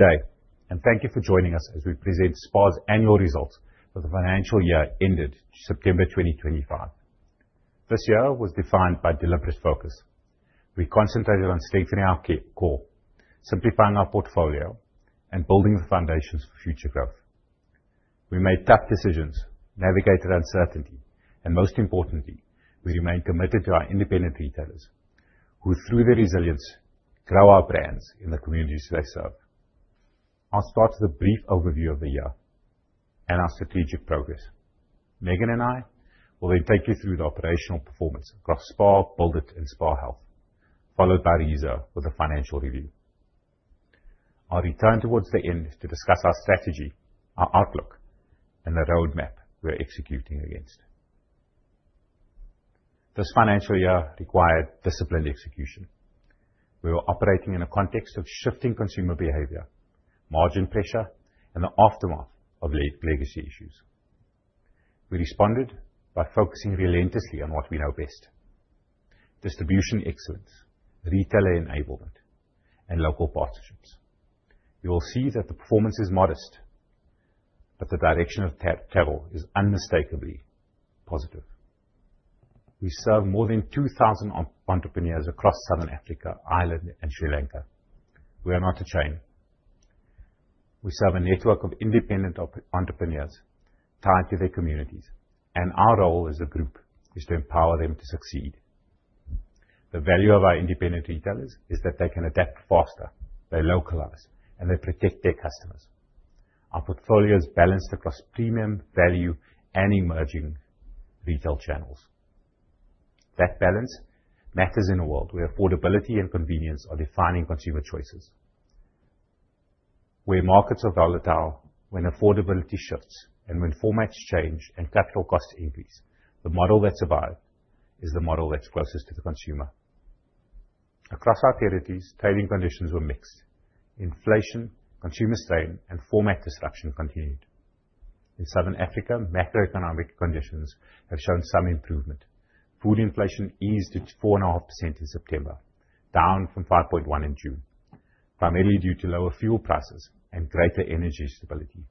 Good day, and thank you for joining us as we present SPAR's annual results for the financial year ended September 2025. This year was defined by deliberate focus. We concentrated on strengthening our core, simplifying our portfolio, and building the foundations for future growth. We made tough decisions, navigated uncertainty, and most importantly, we remained committed to our independent retailers, who, through their resilience, grow our brands in the communities they serve. I'll start with a brief overview of the year and our strategic progress. Megan and I will then take you through the operational performance across Build it, and SPAR Health, followed by Reeza with a financial review. I'll return towards the end to discuss our strategy, our outlook, and the roadmap we're executing against. This financial year required disciplined execution. We were operating in a context of shifting consumer behavior, margin pressure, and the aftermath of legacy issues. We responded by focusing relentlessly on what we know best: distribution excellence, retailer enablement, and local partnerships. You will see that the performance is modest, but the direction of travel is unmistakably positive. We serve more than 2,000 entrepreneurs across Southern Africa, Ireland, and Sri Lanka. We are not a chain. We serve a network of independent entrepreneurs tied to their communities, and our role as a group is to empower them to succeed. The value of our independent retailers is that they can adapt faster, they localize, and they protect their customers. Our portfolio is balanced across premium, value, and emerging retail channels. That balance matters in a world where affordability and convenience are defining consumer choices. Where markets are volatile, when affordability shifts, and when formats change and capital costs increase, the model that survived is the model that's closest to the consumer. Across our territories, trading conditions were mixed. Inflation, consumer strain, and format disruption continued. In Southern Africa, macroeconomic conditions have shown some improvement. Food inflation eased to 4.5% in September, down from 5.1% in June, primarily due to lower fuel prices and greater energy stability.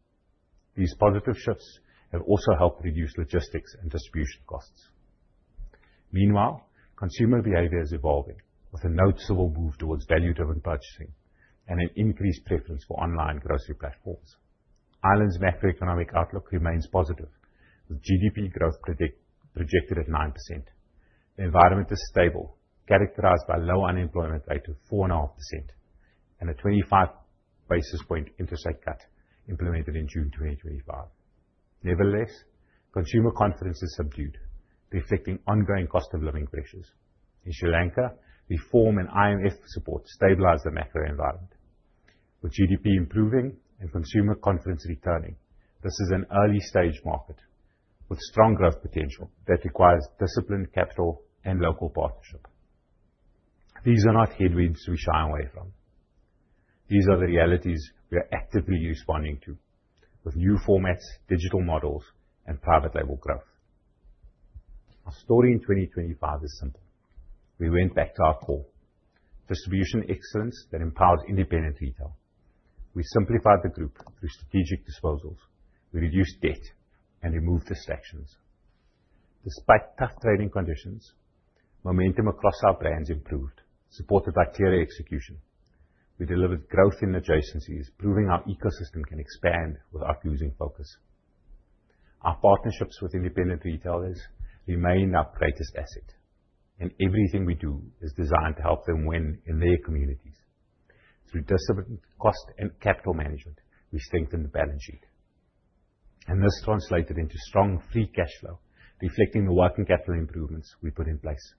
These positive shifts have also helped reduce logistics and distribution costs. Meanwhile, consumer behavior is evolving, with a noticeable move towards value-driven purchasing and an increased preference for online grocery platforms. Ireland's macroeconomic outlook remains positive, with GDP growth projected at 9%. The environment is stable, characterized by a low unemployment rate of 4.5% and a 25-basis-point interest rate cut implemented in June 2025. Nevertheless, consumer confidence is subdued, reflecting ongoing cost-of-living pressures. In Sri Lanka, reform and IMF support stabilized the macro environment. With GDP improving and consumer confidence returning, this is an early-stage market with strong growth potential that requires disciplined capital and local partnership. These are not headwinds we shy away from. These are the realities we are actively responding to, with new formats, digital models, and private label growth. Our story in 2025 is simple. We went back to our core: distribution excellence that empowers independent retail. We simplified the group through strategic disposals. We reduced debt and removed distractions. Despite tough trading conditions, momentum across our brands improved, supported by clear execution. We delivered growth in adjacencies, proving our ecosystem can expand without losing focus. Our partnerships with independent retailers remain our greatest asset, and everything we do is designed to help them win in their communities. Through disciplined cost and capital management, we strengthened the balance sheet, and this translated into strong free cash flow, reflecting the working capital improvements we put in place.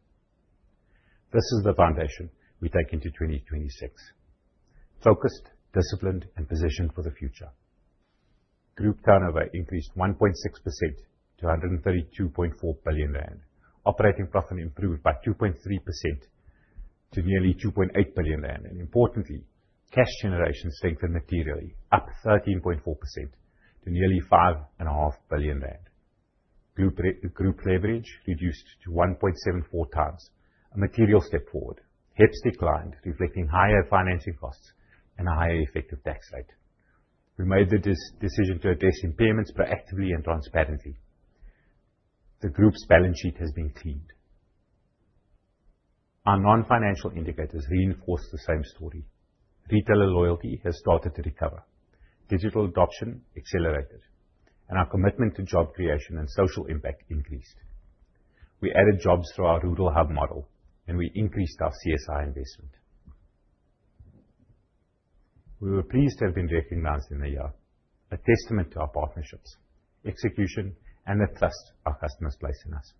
This is the foundation we take into 2026: focused, disciplined, and positioned for the future. Group turnover increased 1.6% to R 132.4 billion, operating profit improved by 2.3% to nearly R 2.8 billion, and importantly, cash generation strengthened materially, up 13.4% to nearly R 5.5 billion. Group leverage reduced to 1.74 times, a material step forward, HEPS declined, reflecting higher financing costs and a higher effective tax rate. We made the decision to address impairments proactively and transparently. The group's balance sheet has been cleaned. Our non-financial indicators reinforce the same story. Retailer loyalty has started to recover, digital adoption accelerated, and our commitment to job creation and social impact increased. We added jobs through our rural hub model, and we increased our CSR investment. We were pleased to have been recognized in the year, a testament to our partnerships, execution, and the trust our customers place in us.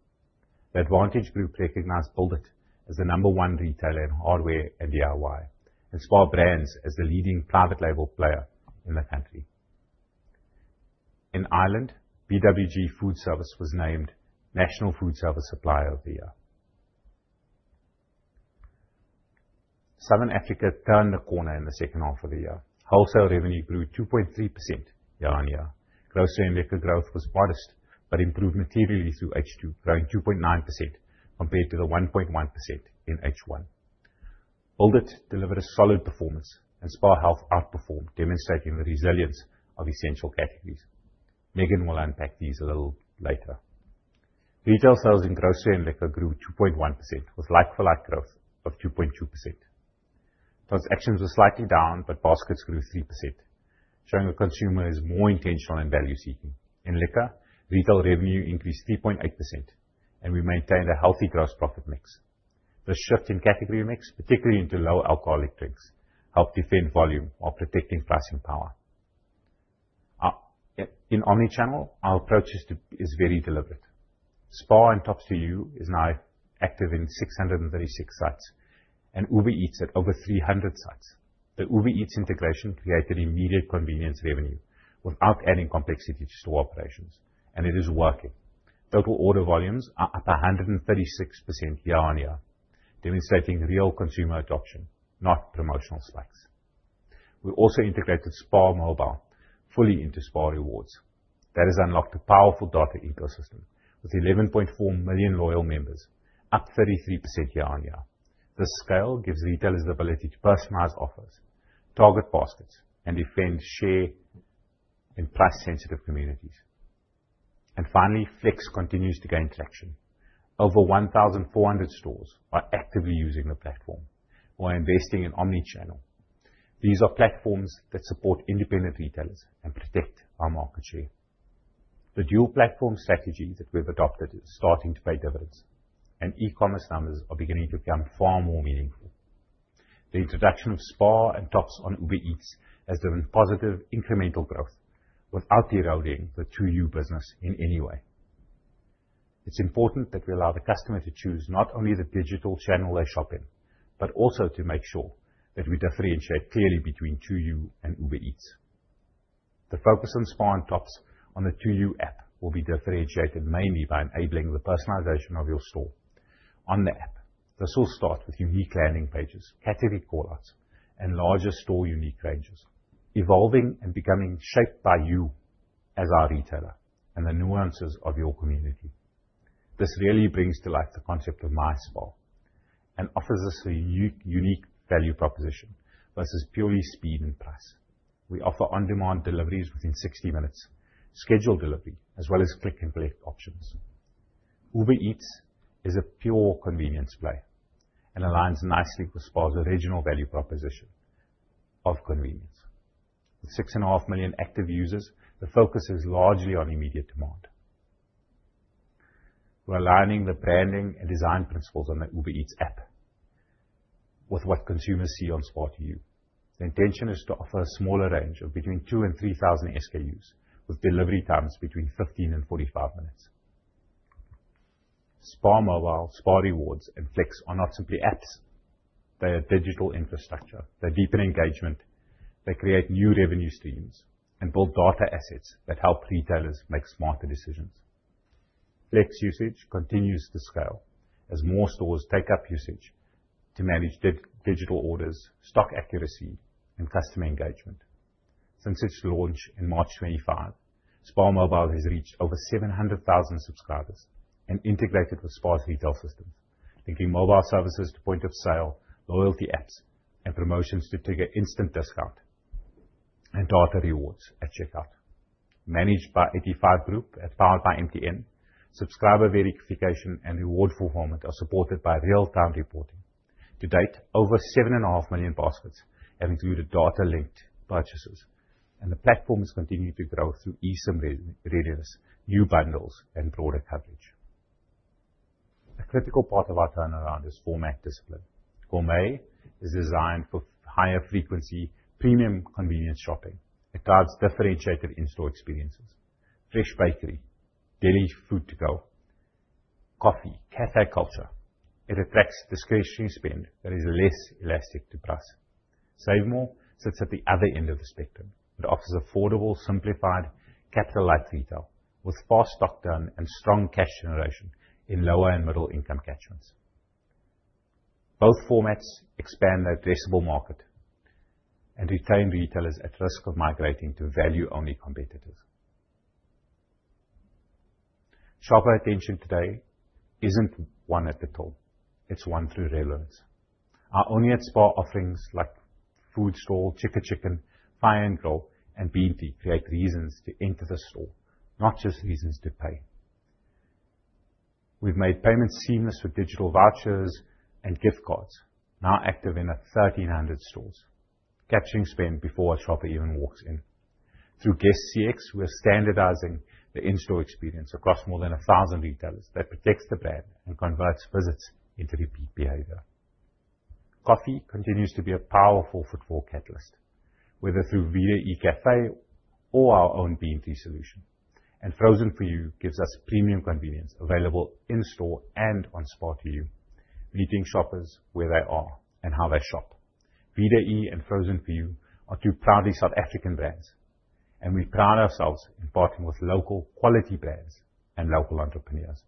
The Advantage Group International recognized Build it as the number one retailer in hardware and DIY, and SPAR Brands as the leading private label player in the country. In Ireland, BWG Foods was named National Food Service Supplier of the Year. Southern Africa turned the corner in the second half of the year. Wholesale revenue grew 2.3% year-on-year. Grocery and liquor growth was modest but improved materially through H2, growing 2.9% compared to the 1.1% in H1. Build it delivered a solid performance, and SPAR Health outperformed, demonstrating the resilience of essential categories. Megan will unpack these a little later. Retail sales in grocery and liquor grew 2.1%, with like-for-like growth of 2.2%. Transactions were slightly down, but baskets grew 3%, showing the consumer is more intentional in value seeking. In liquor, retail revenue increased 3.8%, and we maintained a healthy gross profit mix. This shift in category mix, particularly into low-alcoholic drinks, helped defend volume while protecting pricing power. In omnichannel, our approach is very deliberate. SPAR and TOPS 2U is now active in 636 sites, and Uber Eats at over 300 sites. The Uber Eats integration created immediate convenience revenue without adding complexity to store operations, and it is working. Total order volumes are up 136% year-on-year, demonstrating real consumer adoption, not promotional spikes. We also integrated SPAR Mobile fully into SPAR Rewards. That has unlocked a powerful data ecosystem with 11.4 million loyal members, up 33% year-on-year. This scale gives retailers the ability to personalize offers, target baskets, and defend share in price-sensitive communities, and finally, Flex continues to gain traction. Over 1,400 stores are actively using the platform, while investing in omnichannel. These are platforms that support independent retailers and protect our market share. The dual-platform strategy that we have adopted is starting to pay dividends, and e-commerce numbers are beginning to become far more meaningful. The introduction of SPAR and TOPS on Uber Eats has driven positive incremental growth without eroding the 2U business in any way. It's important that we allow the customer to choose not only the digital channel they shop in, but also to make sure that we differentiate clearly between 2U and Uber Eats. The focus on SPAR and TOPS on the 2U app will be differentiated mainly by enabling the personalization of your store on the app. This will start with unique landing pages, category callouts, and larger store unique ranges, evolving and becoming shaped by you as our retailer and the nuances of your community. This really brings to life the concept of MySPAR and offers us a unique value proposition versus purely speed and price. We offer on-demand deliveries within 60 minutes, scheduled delivery, as well as click-and-collect options. Uber Eats is a pure convenience play and aligns nicely with SPAR's original value proposition of convenience. With 6.5 million active users, the focus is largely on immediate demand. We're aligning the branding and design principles on the Uber Eats app with what consumers see on SPAR2U. The intention is to offer a smaller range of between 2,000 and 3,000 SKUs, with delivery times between 15 and 45 minutes. SPAR Mobile, SPAR Rewards, and Flex are not simply apps. They are digital infrastructure. They deepen engagement. They create new revenue streams and build data assets that help retailers make smarter decisions. Flex usage continues to scale as more stores take up usage to manage digital orders, stock accuracy, and customer engagement. Since its launch in March 2025, SPAR Mobile has reached over 700,000 subscribers and integrated with SPAR's retail systems, linking mobile services to point-of-sale loyalty apps and promotions to trigger instant discount and data rewards at checkout. Managed by Ignition Group and powered by MTN, subscriber verification and reward performance are supported by real-time reporting. To date, over 7.5 million baskets have included data-linked purchases, and the platform has continued to grow through eSIM readiness, new bundles, and broader coverage. A critical part of our turnaround is format discipline. Gourmet is designed for higher-frequency, premium convenience shopping. It guides differentiated in-store experiences: fresh bakery, deli food to go, coffee, café culture. It attracts discretionary spend that is less elastic to price. SaveMor sits at the other end of the spectrum and offers affordable, simplified, capital-light retail with fast stock turn and strong cash generation in lower and middle-income catchments. Both formats expand their addressable market and retain retailers at risk of migrating to value-only competitors. Shopper attention today isn't won at the top. It's won through relevance. Our online SPAR offerings like Food Stall, Chicka Chicken, Fire & Grill, and Bean Tea create reasons to enter the store, not just reasons to pay. We've made payments seamless with digital vouchers and gift cards, now active in 1,300 stores, catching spend before a shopper even walks in. Through GuestCX, we're standardizing the in-store experience across more than 1,000 retailers that protects the brand and converts visits into repeat behavior. Coffee continues to be a powerful footfall catalyst, whether through Vida e Caffè or our own Bean Tea solution, and Frozen For You gives us premium convenience available in-store and on SPAR2U, meeting shoppers where they are and how they shop. Vida e and Frozen For You are two proudly South African brands, and we pride ourselves in partnering with local, quality brands and local entrepreneurs.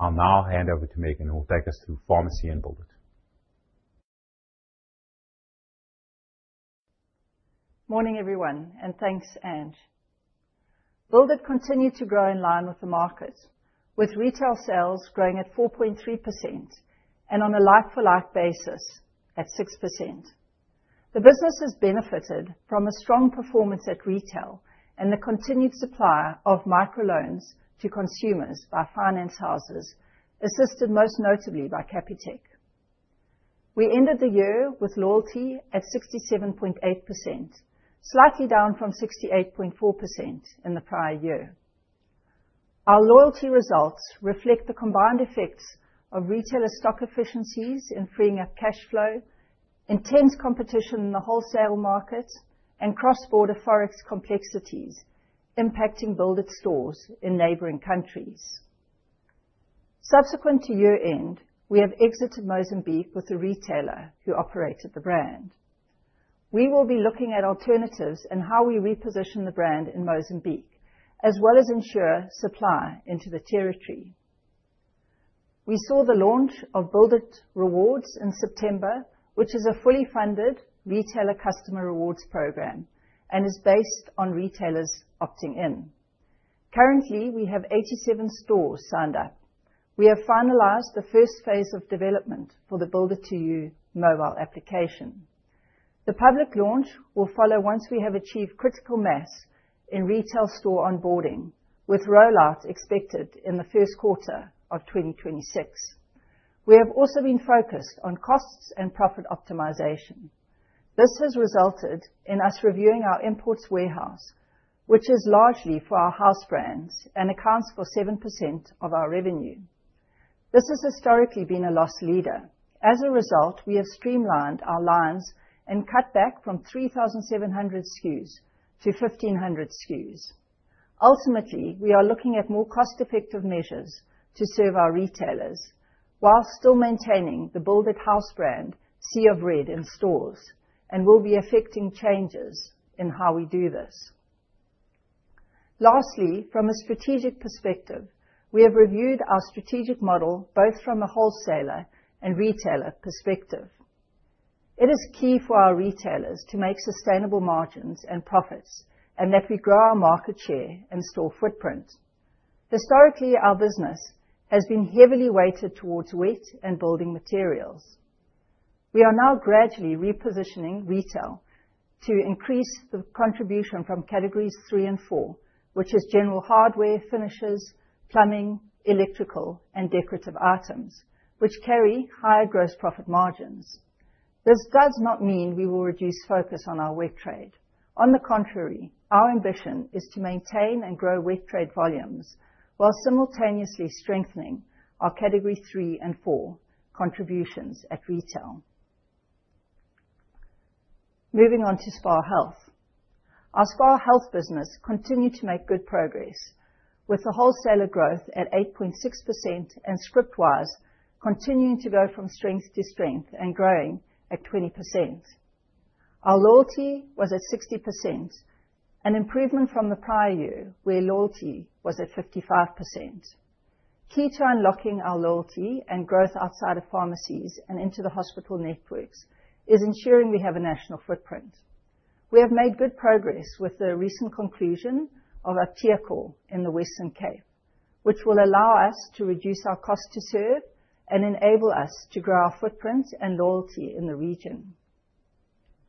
I'll now hand over to Megan, who will take us through Pharmacy and Build it. Morning, everyone, and thanks, Build it continued to grow in line with the markets, with retail sales growing at 4.3% and on a like-for-like basis at 6%. The business has benefited from a strong performance at retail, and the continued supply of microloans to consumers by finance houses assisted most notably by Capitec. We ended the year with loyalty at 67.8%, slightly down from 68.4% in the prior year. Our loyalty results reflect the combined effects of retailer stock efficiencies in freeing up cash flow, intense competition in the wholesale markets, and cross-border forex complexities impacting Build it stores in neighboring countries. Subsequent to year-end, we have exited Mozambique with a retailer who operated the brand. We will be looking at alternatives and how we reposition the brand in Mozambique, as well as ensure supply into the territory. We saw the launch of Build it Rewards in September, which is a fully funded retailer customer rewards program and is based on retailers opting in. Currently, we have 87 stores signed up. We have finalized the first phase of development for the Build it 2U mobile application. The public launch will follow once we have achieved critical mass in retail store onboarding, with rollout expected in the first quarter of 2026. We have also been focused on costs and profit optimization. This has resulted in us reviewing our imports warehouse, which is largely for our house brands and accounts for 7% of our revenue. This has historically been a loss leader. As a result, we have streamlined our lines and cut back from 3,700 SKUs to 1,500 SKUs. Ultimately, we are looking at more cost-effective measures to serve our retailers while still maintaining the Build it house brand sea of red in stores and will be effecting changes in how we do this. Lastly, from a strategic perspective, we have reviewed our strategic model both from a wholesaler and retailer perspective. It is key for our retailers to make sustainable margins and profits and that we grow our market share and store footprint. Historically, our business has been heavily weighted towards wet and building materials. We are now gradually repositioning retail to increase the contribution from categories three and four, which is general hardware, finishes, plumbing, electrical, and decorative items, which carry higher gross profit margins. This does not mean we will reduce focus on our wet trade. On the contrary, our ambition is to maintain and grow wet trade volumes while simultaneously strengthening our category three and four contributions at retail. Moving on to SPAR Health. Our SPAR Health business continued to make good progress, with the wholesaler growth at 8.6% and Scriptwise continuing to go from strength to strength and growing at 20%. Our loyalty was at 60%, an improvement from the prior year where loyalty was at 55%. Key to unlocking our loyalty and growth outside of pharmacies and into the hospital networks is ensuring we have a national footprint. We have made good progress with the recent conclusion of our Theacor in the Western Cape, which will allow us to reduce our cost to serve and enable us to grow our footprint and loyalty in the region.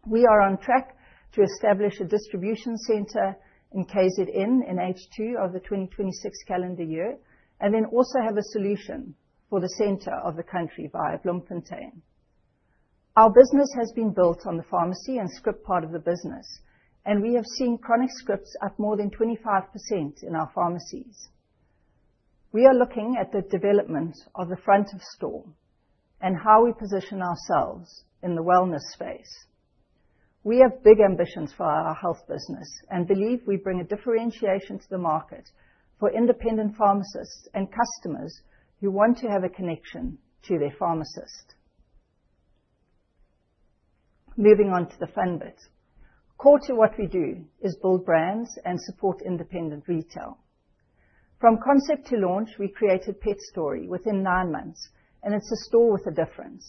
We are on track to establish a distribution center in KZN in H2 of the 2026 calendar year and then also have a solution for the center of the country via Bloemfontein. Our business has been built on the pharmacy and script part of the business, and we have seen chronic scripts up more than 25% in our pharmacies. We are looking at the development of the front of store and how we position ourselves in the wellness space. We have big ambitions for our health business and believe we bring a differentiation to the market for independent pharmacists and customers who want to have a connection to their pharmacist. Moving on to the fun bit. Core to what we do is build brands and support independent retail. From concept to launch, we created PetStori within nine months, and it's a store with a difference.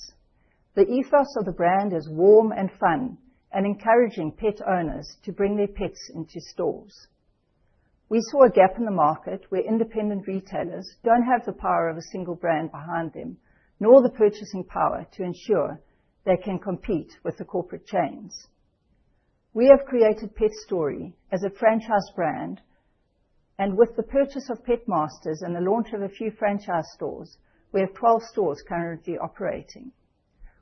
The ethos of the brand is warm and fun and encouraging pet owners to bring their pets into stores. We saw a gap in the market where independent retailers don't have the power of a single brand behind them, nor the purchasing power to ensure they can compete with the corporate chains. We have created PetStori as a franchise brand, and with the purchase of Pet Masters and the launch of a few franchise stores, we have 12 stores currently operating.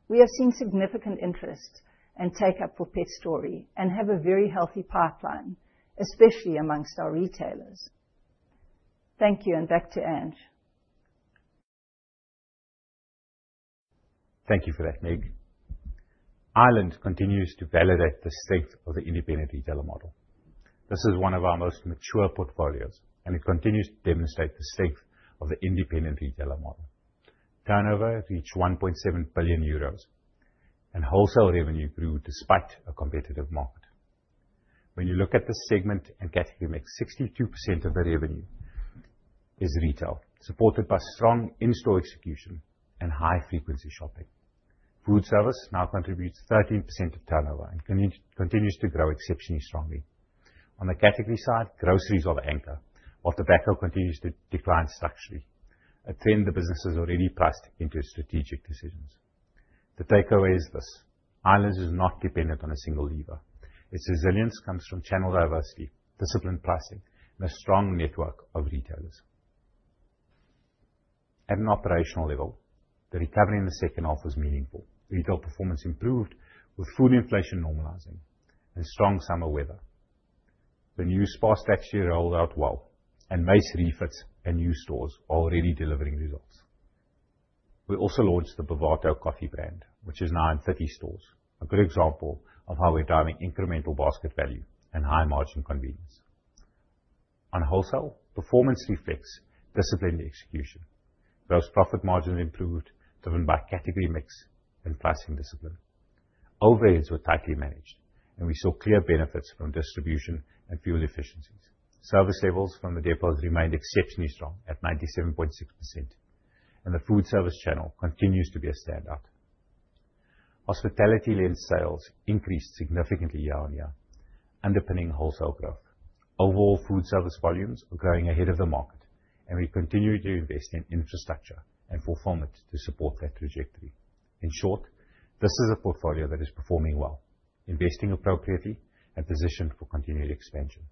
We have seen significant interest and take-up for PetStori and have a very healthy pipeline, especially amongst our retailers. Thank you, and back to Ange. Thank you for that, Meg. Ireland continues to validate the strength of the independent retailer model. This is one of our most mature portfolios, and it continues to demonstrate the strength of the independent retailer model. Turnover reached 1.7 billion euros, and wholesale revenue grew despite a competitive market. When you look at the segment and category, 62% of the revenue is retail, supported by strong in-store execution and high-frequency shopping. Food service now contributes 13% of turnover and continues to grow exceptionally strongly. On the category side, groceries are the anchor, while tobacco continues to decline structurally, a trend the business has already priced into strategic decisions. The takeaway is this: Ireland is not dependent on a single lever. Its resilience comes from channel diversity, disciplined pricing, and a strong network of retailers. At an operational level, the recovery in the second half was meaningful. Retail performance improved with food inflation normalizing and strong summer weather. The new SPAR strategy rolled out well, and Mace refits and new stores are already delivering results. We also launched the Bean Tree coffee brand, which is now in 30 stores, a good example of how we're driving incremental basket value and high-margin convenience. On wholesale, performance reflects disciplined execution. Gross profit margins improved, driven by category mix and pricing discipline. Overheads were tightly managed, and we saw clear benefits from distribution and fuel efficiencies. Service levels from the depots remained exceptionally strong at 97.6%, and the food service channel continues to be a standout. Hospitality-led sales increased significantly year on year, underpinning wholesale growth. Overall, food service volumes are growing ahead of the market, and we continue to invest in infrastructure and fulfillment to support that trajectory. In short, this is a portfolio that is performing well, investing appropriately, and positioned for continued expansion.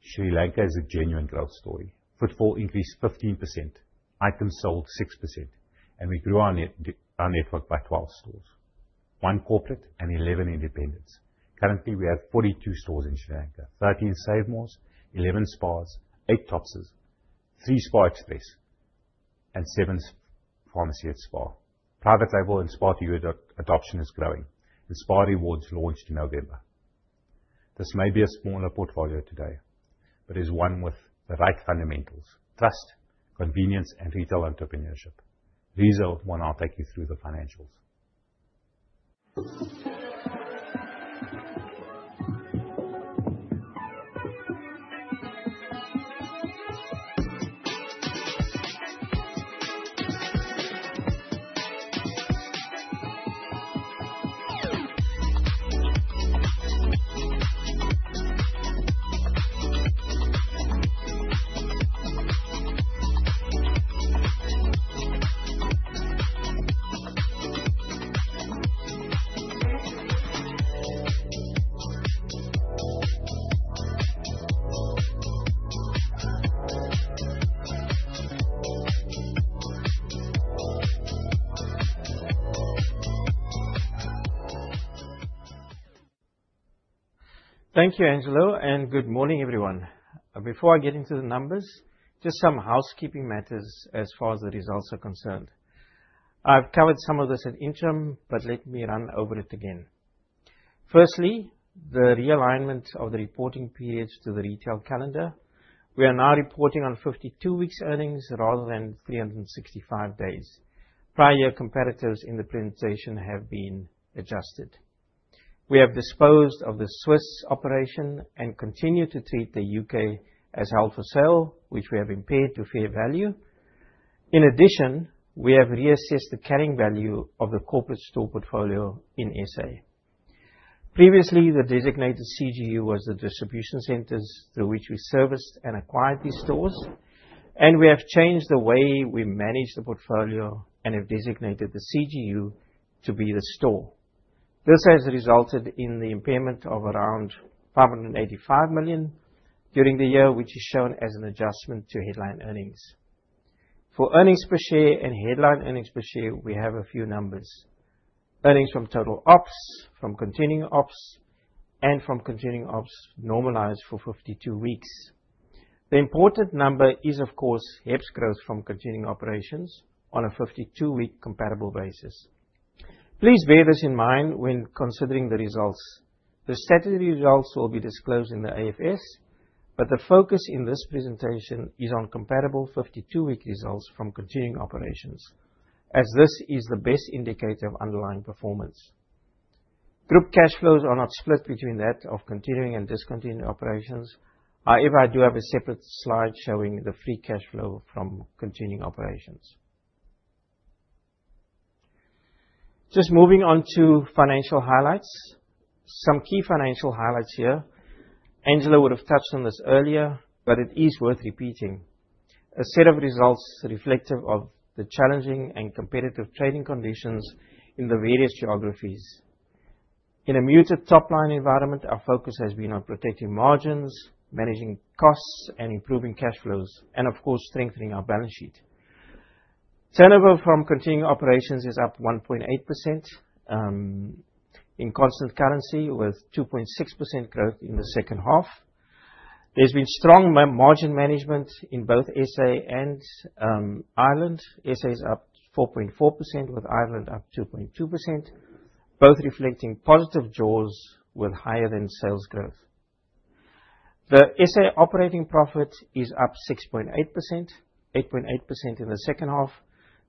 Sri Lanka is a genuine growth story. Footfall increased 15%, items sold 6%, and we grew our network by 12 stores: one corporate and 11 independents. Currently, we have 42 stores in Sri Lanka: 13 SaveMors, 11 SPARs, 8 TOPS stores, 3 SPAR Express, and 7 pharmacies at SPAR. Private label and SPAR2U adoption is growing, and SPAR Rewards launched in November. This may be a smaller portfolio today, but it is one with the right fundamentals: trust, convenience, and retail entrepreneurship. Reeza, I'll take you through the financials. Thank you, Angelo, and good morning, everyone. Before I get into the numbers, just some housekeeping matters as far as the results are concerned. I've covered some of this at interim, but let me run over it again. Firstly, the realignment of the reporting periods to the retail calendar. We are now reporting on 52 weeks' earnings rather than 365 days. Prior year comparatives in the presentation have been adjusted. We have disposed of the Swiss operation and continue to treat the UK as held for sale, which we have impaired to fair value. In addition, we have reassessed the carrying value of the corporate store portfolio in SA. Previously, the designated CGU was the distribution centres through which we serviced and acquired these stores, and we have changed the way we manage the portfolio and have designated the CGU to be the store. This has resulted in the impairment of around 585 million during the year, which is shown as an adjustment to headline earnings. For earnings per share and headline earnings per share, we have a few numbers: earnings from total ops, from continuing ops, and from continuing ops normalized for 52 weeks. The important number is, of course, HEPS growth from continuing operations on a 52-week comparable basis. Please bear this in mind when considering the results. The statutory results will be disclosed in the AFS, but the focus in this presentation is on comparable 52-week results from continuing operations, as this is the best indicator of underlying performance. Group cash flows are not split between that of continuing and discontinued operations. However, I do have a separate slide showing the free cash flow from continuing operations. Just moving on to financial highlights. Some key financial highlights here. Angelo would have touched on this earlier, but it is worth repeating. A set of results reflective of the challenging and competitive trading conditions in the various geographies. In a muted top-line environment, our focus has been on protecting margins, managing costs, and improving cash flows, and of course, strengthening our balance sheet. Turnover from continuing operations is up 1.8% in constant currency, with 2.6% growth in the second half. There's been strong margin management in both SA and Ireland. SA is up 4.4%, with Ireland up 2.2%, both reflecting positive draws with higher-than-sales growth. The SA operating profit is up 6.8%, 8.8% in the second half.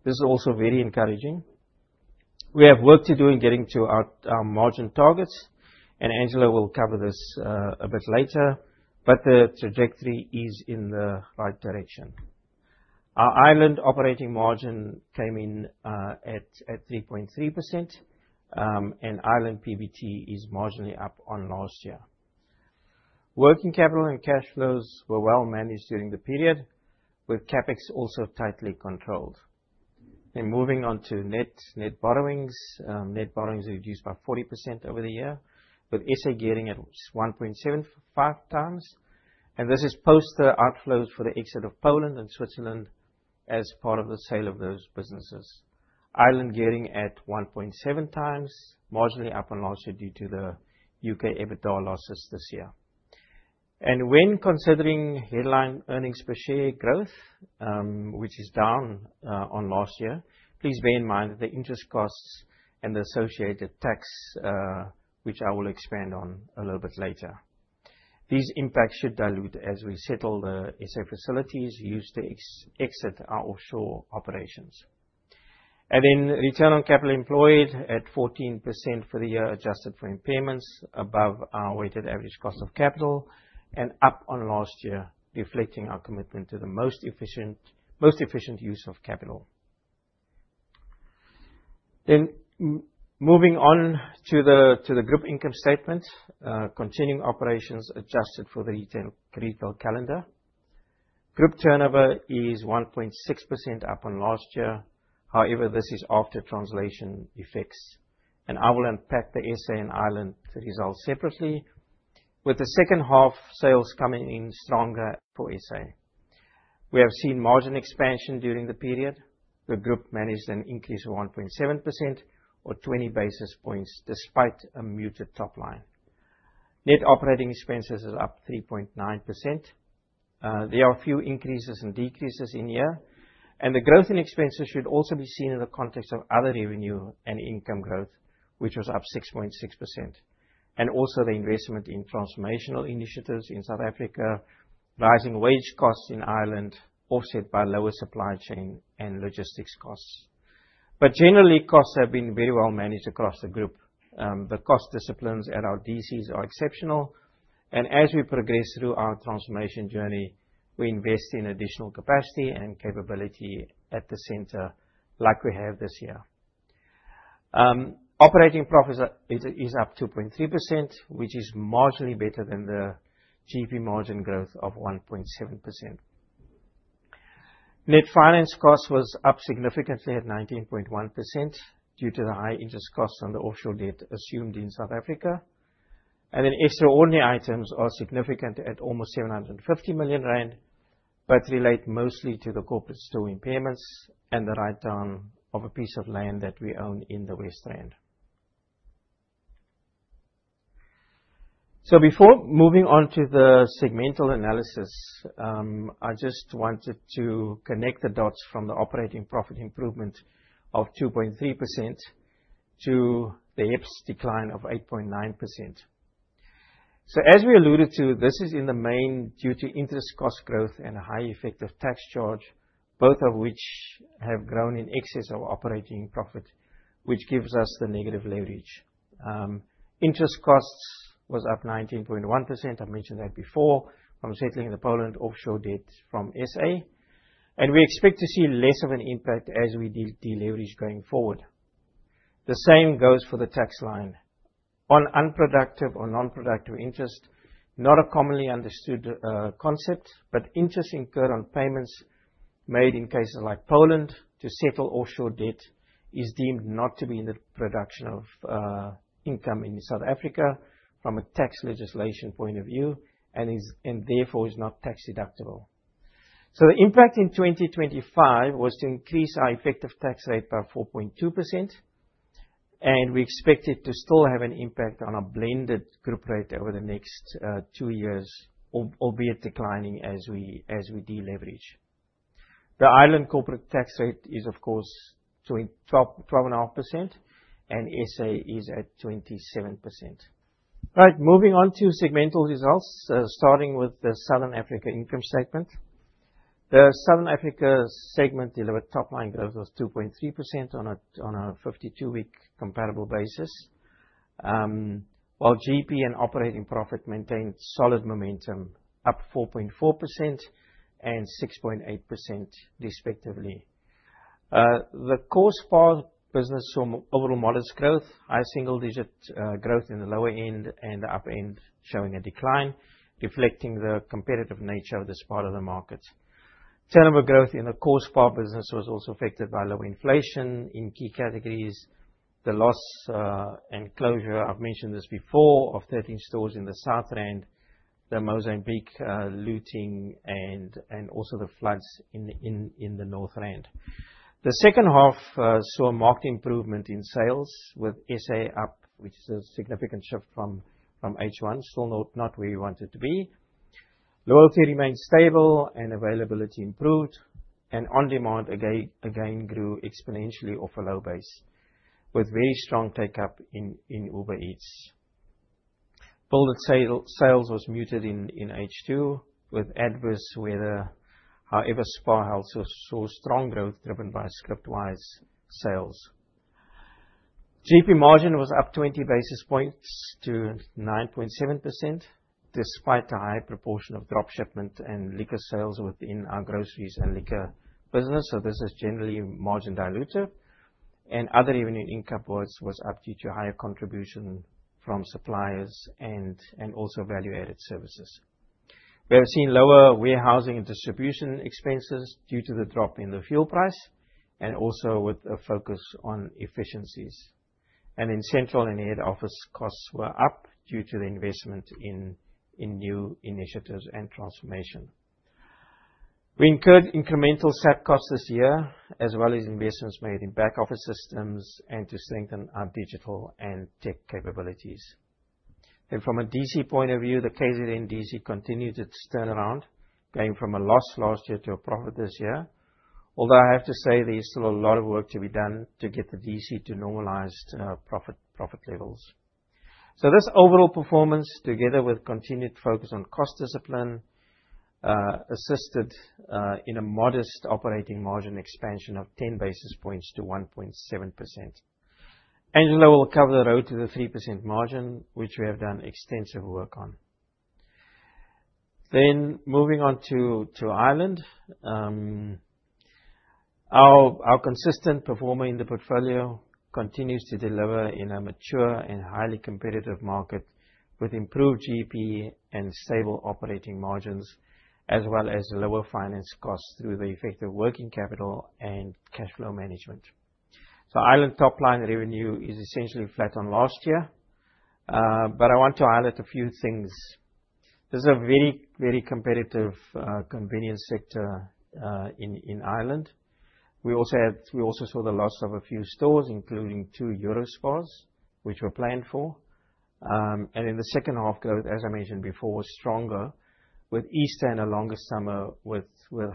This is also very encouraging. We have work to do in getting to our margin targets, and Angelo will cover this a bit later, but the trajectory is in the right direction. Our Ireland operating margin came in at 3.3%, and Ireland PBT is marginally up on last year. Working capital and cash flows were well managed during the period, with CapEx also tightly controlled. Then moving on to net borrowings. Net borrowings are reduced by 40% over the year, with SA gearing at 1.75 times. And this is post the outflows for the exit of Poland and Switzerland as part of the sale of those businesses. Ireland gearing at 1.7 times, marginally up on last year due to the UK EBITDA losses this year. And when considering headline earnings per share growth, which is down on last year, please bear in mind that the interest costs and the associated tax, which I will expand on a little bit later, these impacts should dilute as we settle the SA facilities used to exit our offshore operations. And then return on capital employed at 14% for the year adjusted for impairments, above our weighted average cost of capital and up on last year, reflecting our commitment to the most efficient use of capital. Then moving on to the group income statement, continuing operations adjusted for the retail calendar. Group turnover is 1.6% up on last year. However, this is after translation effects, and I will unpack the SA and Ireland results separately, with the second half sales coming in stronger for SA. We have seen margin expansion during the period. The group managed an increase of 1.7% or 20 basis points despite a muted top line. Net operating expenses are up 3.9%. There are a few increases and decreases in year, and the growth in expenses should also be seen in the context of other revenue and income growth, which was up 6.6%. And also the investment in transformational initiatives in South Africa, rising wage costs in Ireland, offset by lower supply chain and logistics costs. But generally, costs have been very well managed across the group. The cost disciplines at our DCs are exceptional, and as we progress through our transformation journey, we invest in additional capacity and capability at the centre like we have this year. Operating profit is up 2.3%, which is marginally better than the GP margin growth of 1.7%. Net finance cost was up significantly at 19.1% due to the high interest costs on the offshore debt assumed in South Africa. And then extraordinary items are significant at almost 750 million rand, but relate mostly to the corporate store impairments and the write-down of a piece of land that we own in the West End. So before moving on to the segmental analysis, I just wanted to connect the dots from the operating profit improvement of 2.3% to the HEPS decline of 8.9%. So as we alluded to, this is in the main due to interest cost growth and a high effective tax charge, both of which have grown in excess of operating profit, which gives us the negative leverage. Interest costs was up 19.1%. I mentioned that before from settling the Poland offshore debt from SA, and we expect to see less of an impact as we de-leverage going forward. The same goes for the tax line. On unproductive or non-productive interest, not a commonly understood concept, but interest incurred on payments made in cases like Poland to settle offshore debt is deemed not to be in the production of income in South Africa from a tax legislation point of view and therefore is not tax deductible. So the impact in 2025 was to increase our effective tax rate by 4.2%, and we expect it to still have an impact on our blended group rate over the next two years, albeit declining as we deleverage. The Ireland corporate tax rate is, of course, 12.5%, and SA is at 27%. All right, moving on to segmental results, starting with the Southern Africa income segment. The Southern Africa segment delivered top-line growth of 2.3% on a 52-week comparable basis, while GP and operating profit maintained solid momentum, up 4.4% and 6.8% respectively. The core SPAR business saw overall modest growth, high single-digit growth in the lower end and the upper end showing a decline, reflecting the competitive nature of the SPAR end of the market. Turnover growth in the core SPAR business was also affected by low inflation in key categories. The loss and closure, I've mentioned this before, of 13 stores in the South End, the Mozambique looting, and also the floods in the North End. The second half saw a marked improvement in sales, with SA up, which is a significant shift from H1, still not where we wanted to be. Loyalty remained stable and availability improved, and on-demand again grew exponentially off a low base, with very strong take-up in Uber Eats. Build it sales was muted in H2 with adverse weather. However, SPAR health saw strong growth driven by Scriptwise sales. GP margin was up 20 basis points to 9.7% despite the high proportion of dropshipment and liquor sales within our groceries and liquor business. So this is generally margin dilutive. And other revenue income was up due to higher contribution from suppliers and also value-added services. We have seen lower warehousing and distribution expenses due to the drop in the fuel price and also with a focus on efficiencies. And the central and head office costs were up due to the investment in new initiatives and transformation. We incurred incremental SAP costs this year, as well as investments made in back-office systems and to strengthen our digital and tech capabilities. And from a DC point of view, the KZN DC continued to turn around, going from a loss last year to a profit this year. Although I have to say there is still a lot of work to be done to get the DC to normalized profit levels. So this overall performance, together with continued focus on cost discipline, assisted in a modest operating margin expansion of 10 basis points to 1.7%. Angelo will cover the road to the 3% margin, which we have done extensive work on. Then moving on to Ireland, our consistent performer in the portfolio continues to deliver in a mature and highly competitive market with improved GP and stable operating margins, as well as lower finance costs through the effective working capital and cash flow management. So Ireland top-line revenue is essentially flat on last year, but I want to highlight a few things. This is a very, very competitive convenience sector in Ireland. We also saw the loss of a few stores, including two EUROSPARs, which were planned for, and then the second half growth, as I mentioned before, was stronger, with Easter and a longer summer with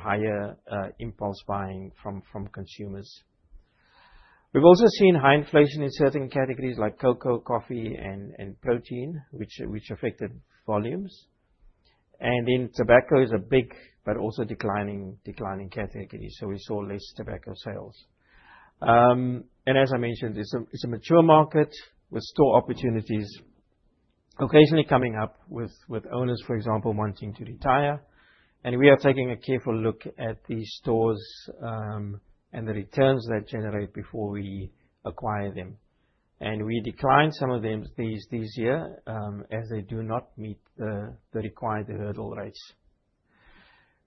higher impulse buying from consumers. We've also seen high inflation in certain categories like cocoa, coffee, and protein, which affected volumes, and then tobacco is a big but also declining category, so we saw less tobacco sales, and as I mentioned, it's a mature market with store opportunities occasionally coming up with owners, for example, wanting to retire, and we are taking a careful look at these stores and the returns they generate before we acquire them, and we declined some of them this year as they do not meet the required hurdle rates.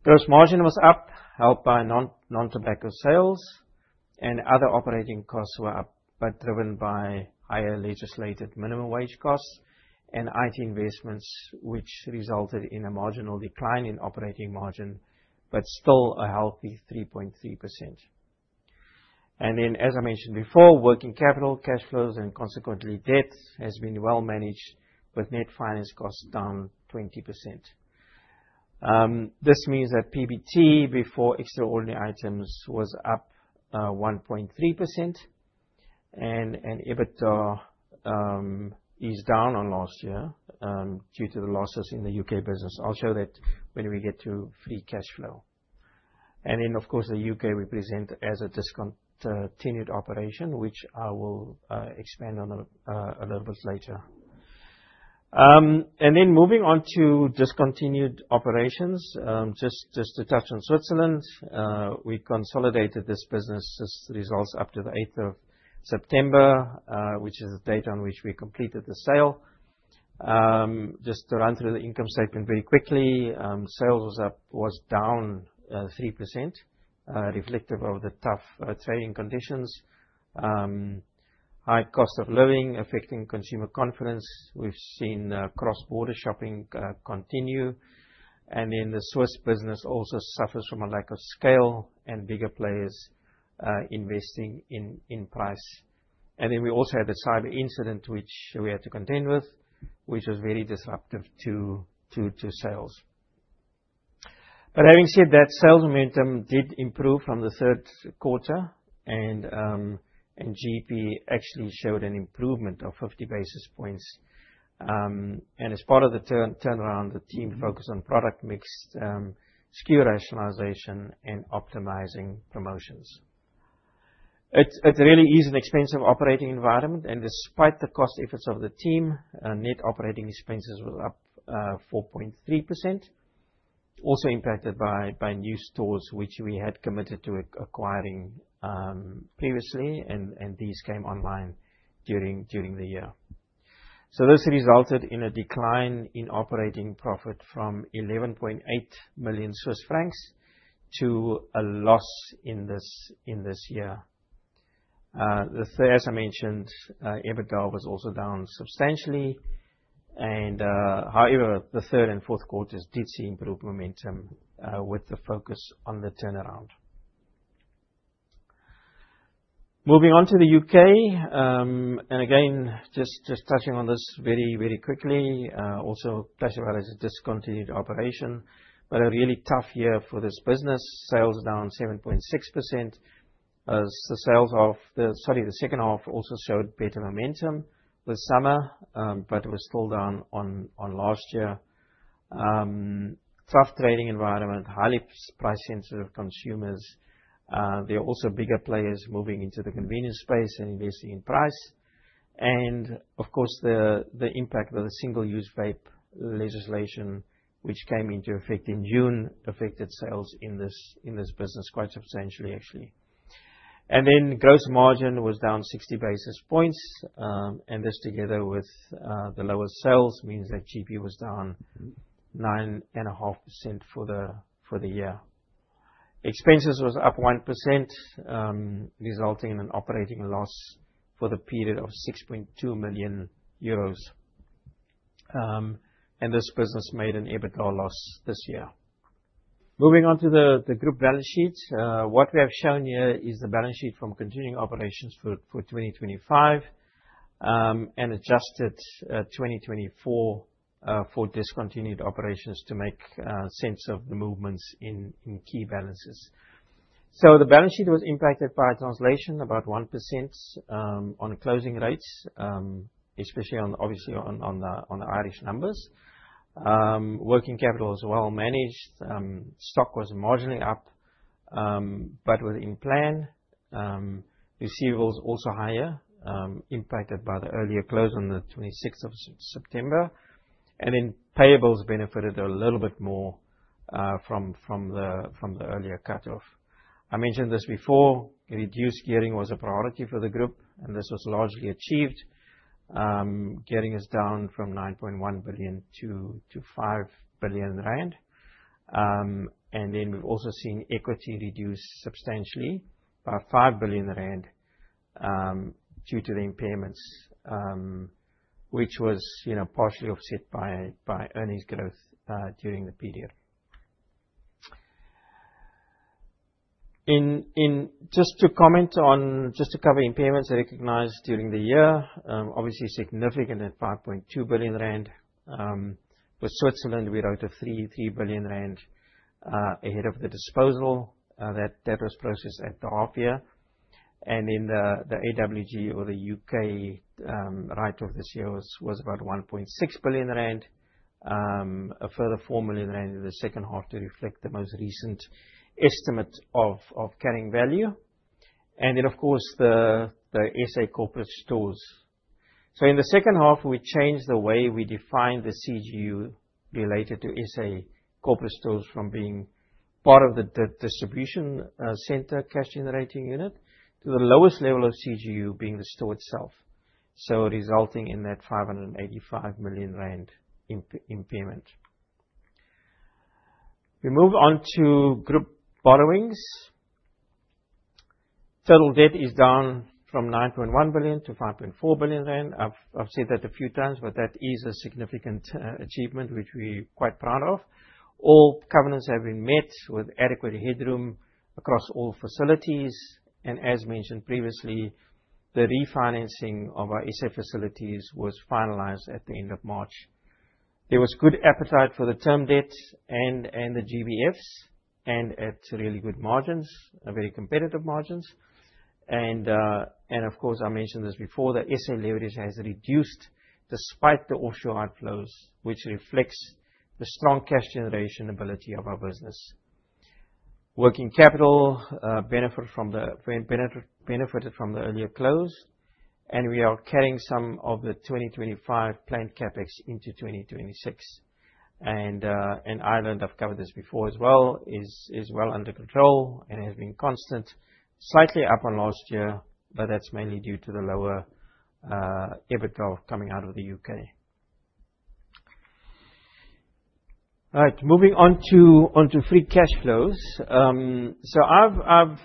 Gross margin was up, helped by non-tobacco sales, and other operating costs were up, but driven by higher legislated minimum wage costs and IT investments, which resulted in a marginal decline in operating margin, but still a healthy 3.3%. And then, as I mentioned before, working capital, cash flows, and consequently debt has been well managed, with net finance costs down 20%. This means that PBT before extraordinary items was up 1.3%, and EBITDA is down on last year due to the losses in the U.K. business. I'll show that when we get to free cash flow. And then, of course, the U.K., we present as a discontinued operation, which I will expand on a little bit later. And then moving on to discontinued operations, just to touch on Switzerland, we consolidated this business results up to the 8th of September, which is the date on which we completed the sale. Just to run through the income statement very quickly, sales was down 3%, reflective of the tough trading conditions. High cost of living affecting consumer confidence. We've seen cross-border shopping continue. And then the Swiss business also suffers from a lack of scale and bigger players investing in price. And then we also had the cyber incident, which we had to contend with, which was very disruptive to sales. But having said that, sales momentum did improve from the third quarter, and GP actually showed an improvement of 50 basis points. And as part of the turnaround, the team focused on product mixed SKU rationalization and optimizing promotions. It really is an expensive operating environment, and despite the cost efforts of the team, net operating expenses were up 4.3%, also impacted by new stores, which we had committed to acquiring previously, and these came online during the year. So this resulted in a decline in operating profit from 11.8 million Swiss francs to a loss in this year. As I mentioned, EBITDA was also down substantially. And however, the third and fourth quarters did see improved momentum with the focus on the turnaround. Moving on to the UK, and again, just touching on this very, very quickly, also touched about as a discontinued operation, but a really tough year for this business. Sales down 7.6%. The second half also showed better momentum this summer, but it was still down on last year. Tough trading environment, highly price-sensitive consumers. There are also bigger players moving into the convenience space and investing in price, and of course, the impact of the single-use vape legislation, which came into effect in June, affected sales in this business quite substantially, actually, and then gross margin was down 60 basis points, and this together with the lower sales means that GP was down 9.5% for the year. Expenses was up 1%, resulting in an operating loss for the period of 6.2 million euros, and this business made an EBITDA loss this year. Moving on to the group balance sheet, what we have shown here is the balance sheet from continuing operations for 2025 and adjusted 2024 for discontinued operations to make sense of the movements in key balances, so the balance sheet was impacted by translation, about 1% on closing rates, especially obviously on the Irish numbers. Working capital was well managed. Stock was marginally up, but was in plan. Receivables also higher, impacted by the earlier close on the 26th of September. Payables benefited a little bit more from the earlier cut-off. I mentioned this before, reduced gearing was a priority for the group, and this was largely achieved. Gearing was down from 9.1 billion to 5 billion rand. We've also seen equity reduce substantially by 5 billion rand due to the impairments, which was partially offset by earnings growth during the period. Just to cover impairments recognized during the year, obviously significant at 5.2 billion rand. With Switzerland, we're out of 3 billion rand ahead of the disposal. That was processed at the half year. The AWG and the UK write-down of the assets was about 1.6 billion rand, a further 4 million rand in the second half to reflect the most recent estimate of carrying value. Then, of course, the SA corporate stores. In the second half, we changed the way we defined the CGU related to SA corporate stores from being part of the distribution centre cash generating unit to the lowest level of CGU being the store itself, resulting in that 585 million rand impairment. We move on to group borrowings. Total debt is down from 9.1 billion to 5.4 billion rand. I've said that a few times, but that is a significant achievement, which we are quite proud of. All covenants have been met with adequate headroom across all facilities. As mentioned previously, the refinancing of our SA facilities was finalised at the end of March. There was good appetite for the term debt and the GBFs, and at really good margins, very competitive margins. And of course, I mentioned this before, the SA leverage has reduced despite the offshore outflows, which reflects the strong cash generation ability of our business. Working capital benefited from the earlier close, and we are carrying some of the 2025 planned CapEx into 2026. And Ireland, I've covered this before as well, is well under control and has been constant, slightly up on last year, but that's mainly due to the lower EBITDA coming out of the UK. All right, moving on to free cash flows. So I've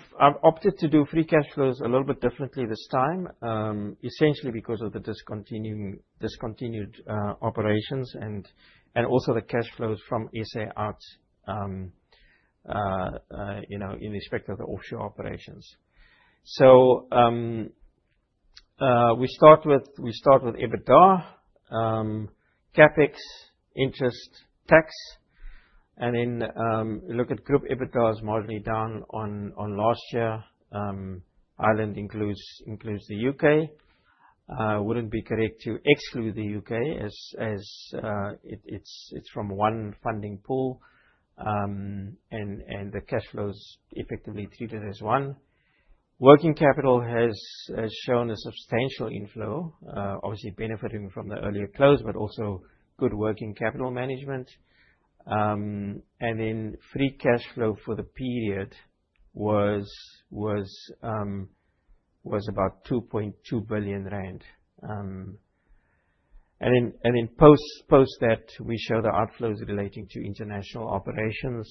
opted to do free cash flows a little bit differently this time, essentially because of the discontinued operations and also the cash flows from SA out in respect of the offshore operations. So we start with EBITDA, CapEx, interest, tax. Then look at Group EBITDA, which is marginally down on last year. Ireland includes the U.K. It wouldn't be correct to exclude the U.K. as it's from one funding pool, and the cash flow is effectively treated as one. Working capital has shown a substantial inflow, obviously benefiting from the earlier close, but also good working capital management. Then free cash flow for the period was about 2.2 billion rand. Then post that, we show the outflows relating to international operations.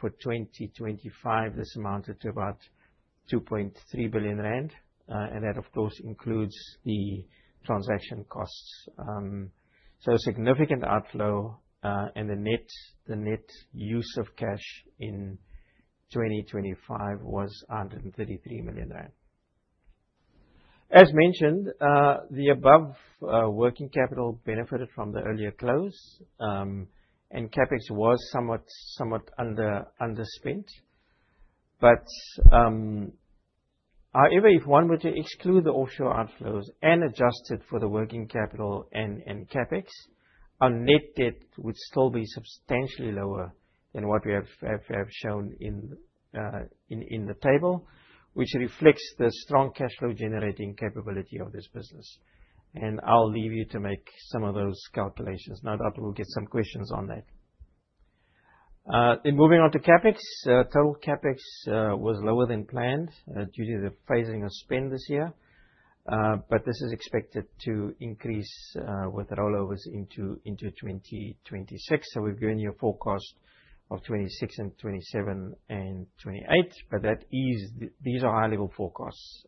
For 2025, this amounted to about 2.3 billion rand, and that, of course, includes the transaction costs. So significant outflow, and the net use of cash in 2025 was 133 million rand. As mentioned, the above working capital benefited from the earlier close, and CapEx was somewhat underspent. But however, if one were to exclude the offshore outflows and adjust it for the working capital and CapEx, our net debt would still be substantially lower than what we have shown in the table, which reflects the strong cash flow generating capability of this business. And I'll leave you to make some of those calculations. No doubt we'll get some questions on that. Then moving on to CapEx, total CapEx was lower than planned due to the phasing of spend this year, but this is expected to increase with rollovers into 2026. So we've given you a forecast of 2026 and 2027 and 2028, but these are high-level forecasts.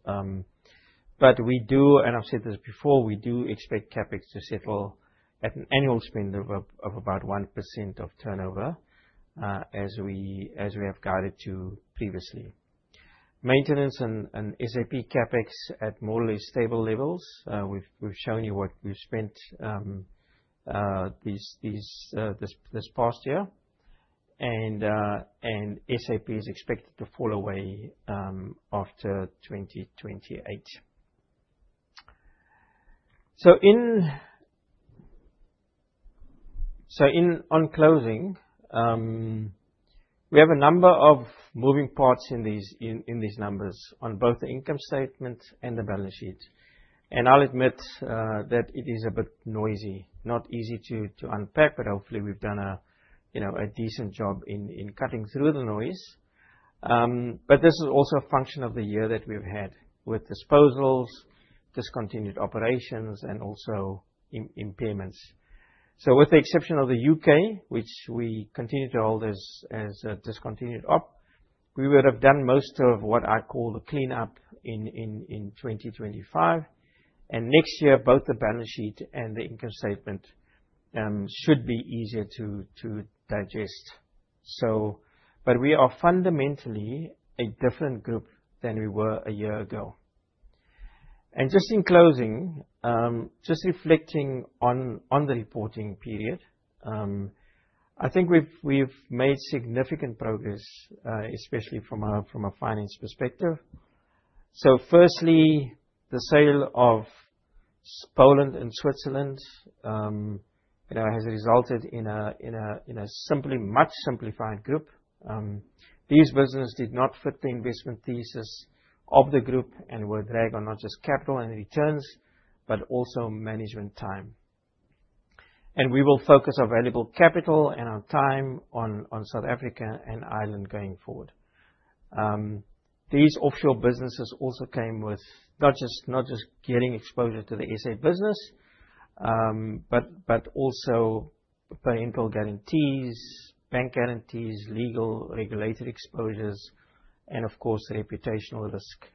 But we do, and I've said this before, we do expect CapEx to settle at an annual spend of about 1% of turnover as we have guided to previously. Maintenance and SAP CapEx at more or less stable levels. We've shown you what we've spent this past year, and SAP is expected to fall away after 2028. So on closing, we have a number of moving parts in these numbers on both the income statement and the balance sheet. And I'll admit that it is a bit noisy, not easy to unpack, but hopefully we've done a decent job in cutting through the noise. But this is also a function of the year that we've had with disposals, discontinued operations, and also impairments. So with the exception of the U.K., which we continue to hold as discontinued ops, we would have done most of what I call the cleanup in 2025. And next year, both the balance sheet and the income statement should be easier to digest. But we are fundamentally a different group than we were a year ago. Just in closing, just reflecting on the reporting period, I think we've made significant progress, especially from a finance perspective. Firstly, the sale of Poland and Switzerland has resulted in a simply much simplified group. These businesses did not fit the investment thesis of the group and were dragged on not just capital and returns, but also management time. We will focus our valuable capital and our time on South Africa and Ireland going forward. These offshore businesses also came with not just getting exposure to the SA business, but also parent guarantees, bank guarantees, legal regulated exposures, and of course, reputational risk.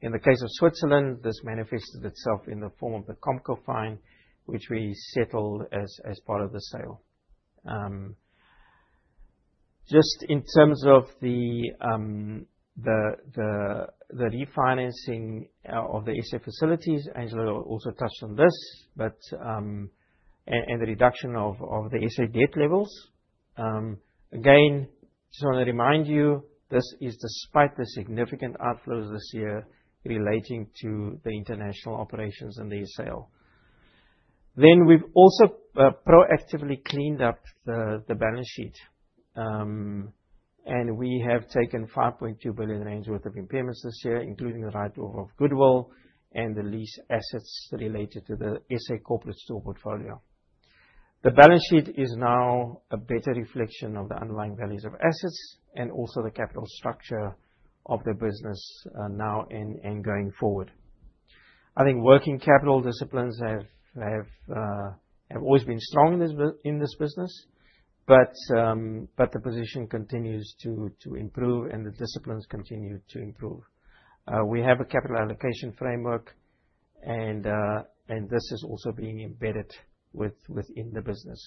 In the case of Switzerland, this manifested itself in the form of the Comco fine, which we settled as part of the sale. Just in terms of the refinancing of the SA facilities, Angelo also touched on this, and the reduction of the SA debt levels. Again, just want to remind you, this is despite the significant outflows this year relating to the international operations and the sale. Then we've also proactively cleaned up the balance sheet, and we have taken 5.2 billion rand worth of impairments this year, including the write-off of goodwill and the lease assets related to the SA corporate store portfolio. The balance sheet is now a better reflection of the underlying values of assets and also the capital structure of the business now and going forward. I think working capital disciplines have always been strong in this business, but the position continues to improve and the disciplines continue to improve. We have a capital allocation framework, and this is also being embedded within the business.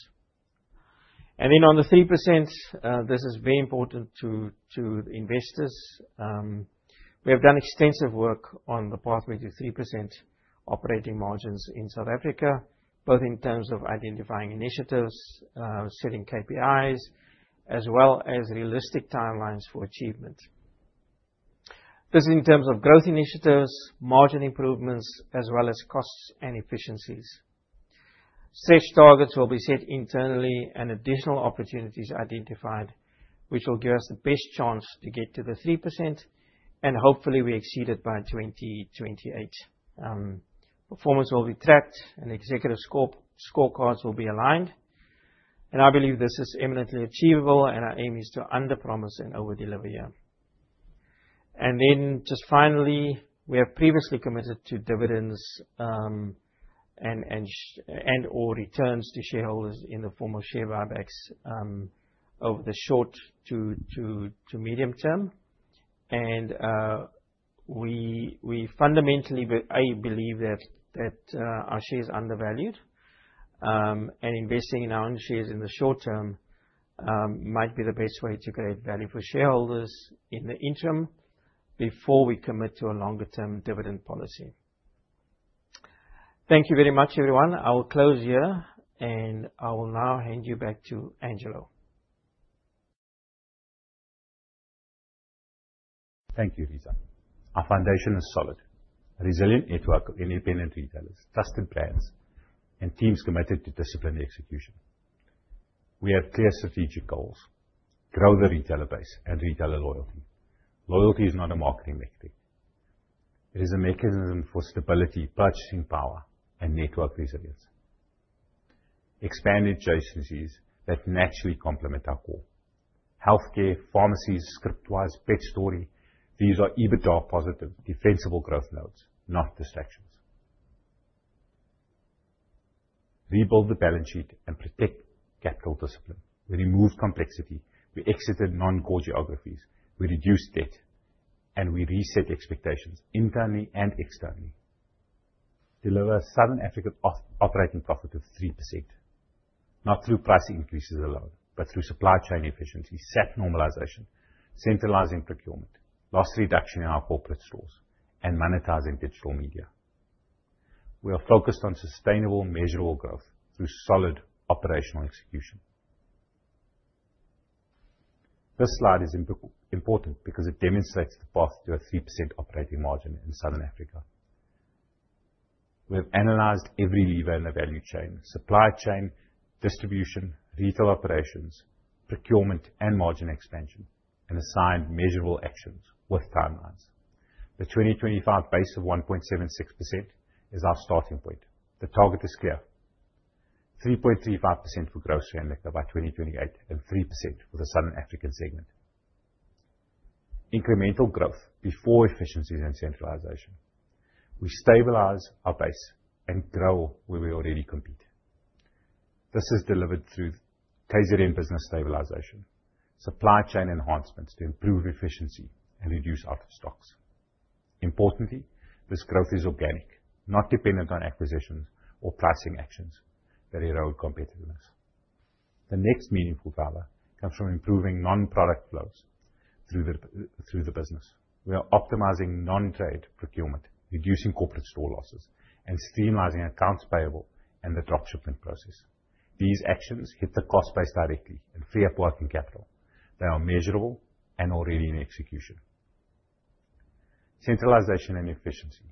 Then on the 3%, this is very important to investors. We have done extensive work on the pathway to 3% operating margins in South Africa, both in terms of identifying initiatives, setting KPIs, as well as realistic timelines for achievement. This is in terms of growth initiatives, margin improvements, as well as costs and efficiencies. Stretch targets will be set internally and additional opportunities identified, which will give us the best chance to get to the 3%, and hopefully we exceed it by 2028. Performance will be tracked and executive scorecards will be aligned. I believe this is eminently achievable, and our aim is to underpromise and overdeliver here. Then just finally, we have previously committed to dividends and/or returns to shareholders in the form of share buybacks over the short to medium term. We fundamentally, I believe, that our shares are undervalued, and investing in our own shares in the short term might be the best way to create value for shareholders in the interim before we commit to a longer-term dividend policy. Thank you very much, everyone. I will close here, and I will now hand you back to Angelo. Thank you, Reeza. Our foundation is solid, a resilient network of independent retailers, trusted brands, and teams committed to disciplined execution. We have clear strategic goals: grow the retailer base and retailer loyalty. Loyalty is not a marketing mechanic. It is a mechanism for stability, purchasing power, and network resilience. Expanded adjacencies that naturally complement our core: healthcare, pharmacies, Scriptwise, pet store. These are EBITDA positive, defensible growth nodes, not distractions. Rebuild the balance sheet and protect capital discipline. We removed complexity. We exited non-core geographies. We reduced debt, and we reset expectations internally and externally. Deliver a Southern Africa operating profit of 3%, not through price increases alone, but through supply chain efficiency, SAP normalization, centralizing procurement, loss reduction in our corporate stores, and monetizing digital media. We are focused on sustainable, measurable growth through solid operational execution. This slide is important because it demonstrates the path to a 3% operating margin in Southern Africa. We have analyzed every lever in the value chain: supply chain, distribution, retail operations, procurement, and margin expansion, and assigned measurable actions with timelines. The 2025 base of 1.76% is our starting point. The target is clear: 3.35% for gross rand decline by 2028 and 3% for the Southern African segment. Incremental growth before efficiencies and centralization. We stabilize our base and grow where we already compete. This is delivered through KZN business stabilization, supply chain enhancements to improve efficiency and reduce out-of-stocks. Importantly, this growth is organic, not dependent on acquisitions or pricing actions that erode competitiveness. The next meaningful driver comes from improving non-product flows through the business. We are optimizing non-trade procurement, reducing corporate store losses, and streamlining accounts payable and the dropshipping process. These actions hit the cost base directly and free up working capital. They are measurable and already in execution. Centralization and efficiency.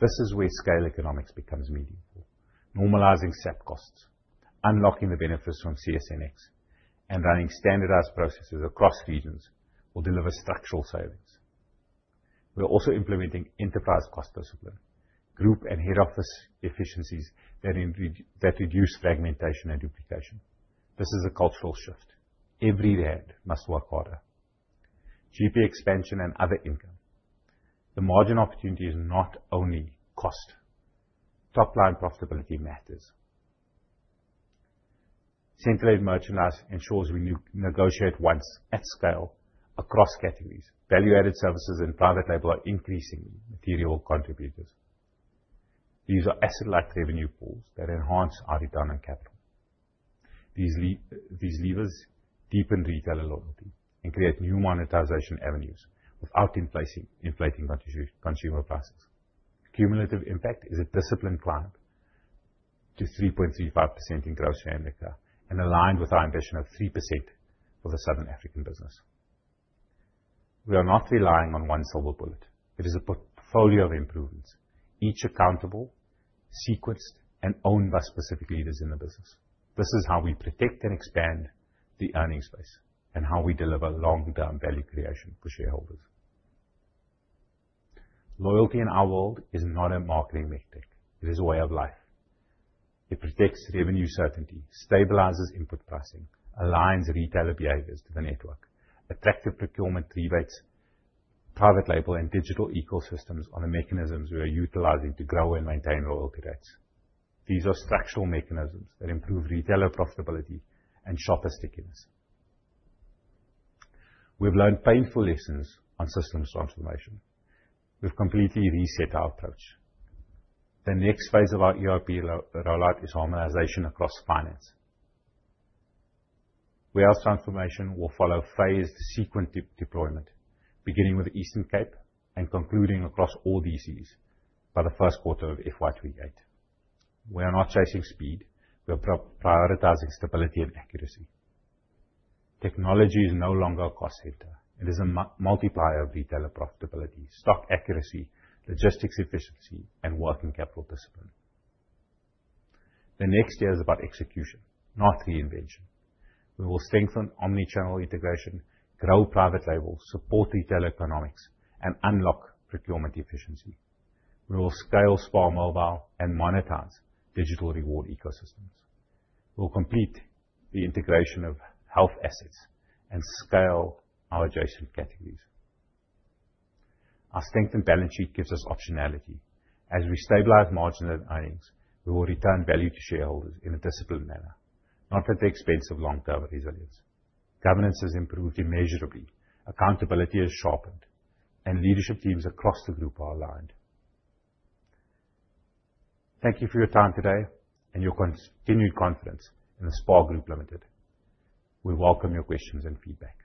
This is where economies of scale become meaningful. Normalizing SAP costs, unlocking the benefits from CSNx, and running standardized processes across regions will deliver structural savings. We are also implementing enterprise cost discipline, group and head office efficiencies that reduce fragmentation and duplication. This is a cultural shift. Every hand must work harder. GP expansion and other income. The margin opportunity is not only cost. Top-line profitability matters. Centralized merchandise ensures we negotiate once at scale across categories. Value-added services and private label are increasingly material contributors. These are asset-like revenue pools that enhance our return on capital. These levers deepen retailer loyalty and create new monetization avenues without inflating consumer prices. Cumulative impact is a disciplined climb to 3.35% in gross margin line and aligned with our ambition of 3% for the Southern African business. We are not relying on one silver bullet. It is a portfolio of improvements, each accountable, sequenced, and owned by specific leaders in the business. This is how we protect and expand the earnings base and how we deliver long-term value creation for shareholders. Loyalty in our world is not a marketing mechanic. It is a way of life. It protects revenue certainty, stabilizes input pricing, aligns retailer behaviors to the network, attractive procurement rebates, private label, and digital ecosystems on the mechanisms we are utilizing to grow and maintain loyalty rates. These are structural mechanisms that improve retailer profitability and shopper stickiness. We have learned painful lessons on systems transformation. We have completely reset our approach. The next phase of our ERP rollout is harmonization across finance. Wholesale transformation will follow phased sequence deployment, beginning with Eastern Cape and concluding across all DCs by the first quarter of FY28. We are not chasing speed. We are prioritizing stability and accuracy. Technology is no longer a cost center. It is a multiplier of retailer profitability, stock accuracy, logistics efficiency, and working capital discipline. The next year is about execution, not reinvention. We will strengthen omnichannel integration, grow private label, support retail economics, and unlock procurement efficiency. We will scale SPAR Mobile and monetize digital reward ecosystems. We will complete the integration of health assets and scale our adjacent categories. Our strengthened balance sheet gives us optionality. As we stabilize margin and earnings, we will return value to shareholders in a disciplined manner, not at the expense of long-term resilience. Governance has improved immeasurably. Accountability has sharpened, and leadership teams across the group are aligned. Thank you for your time today and your continued confidence in the SPAR Group Limited. We welcome your questions and feedback.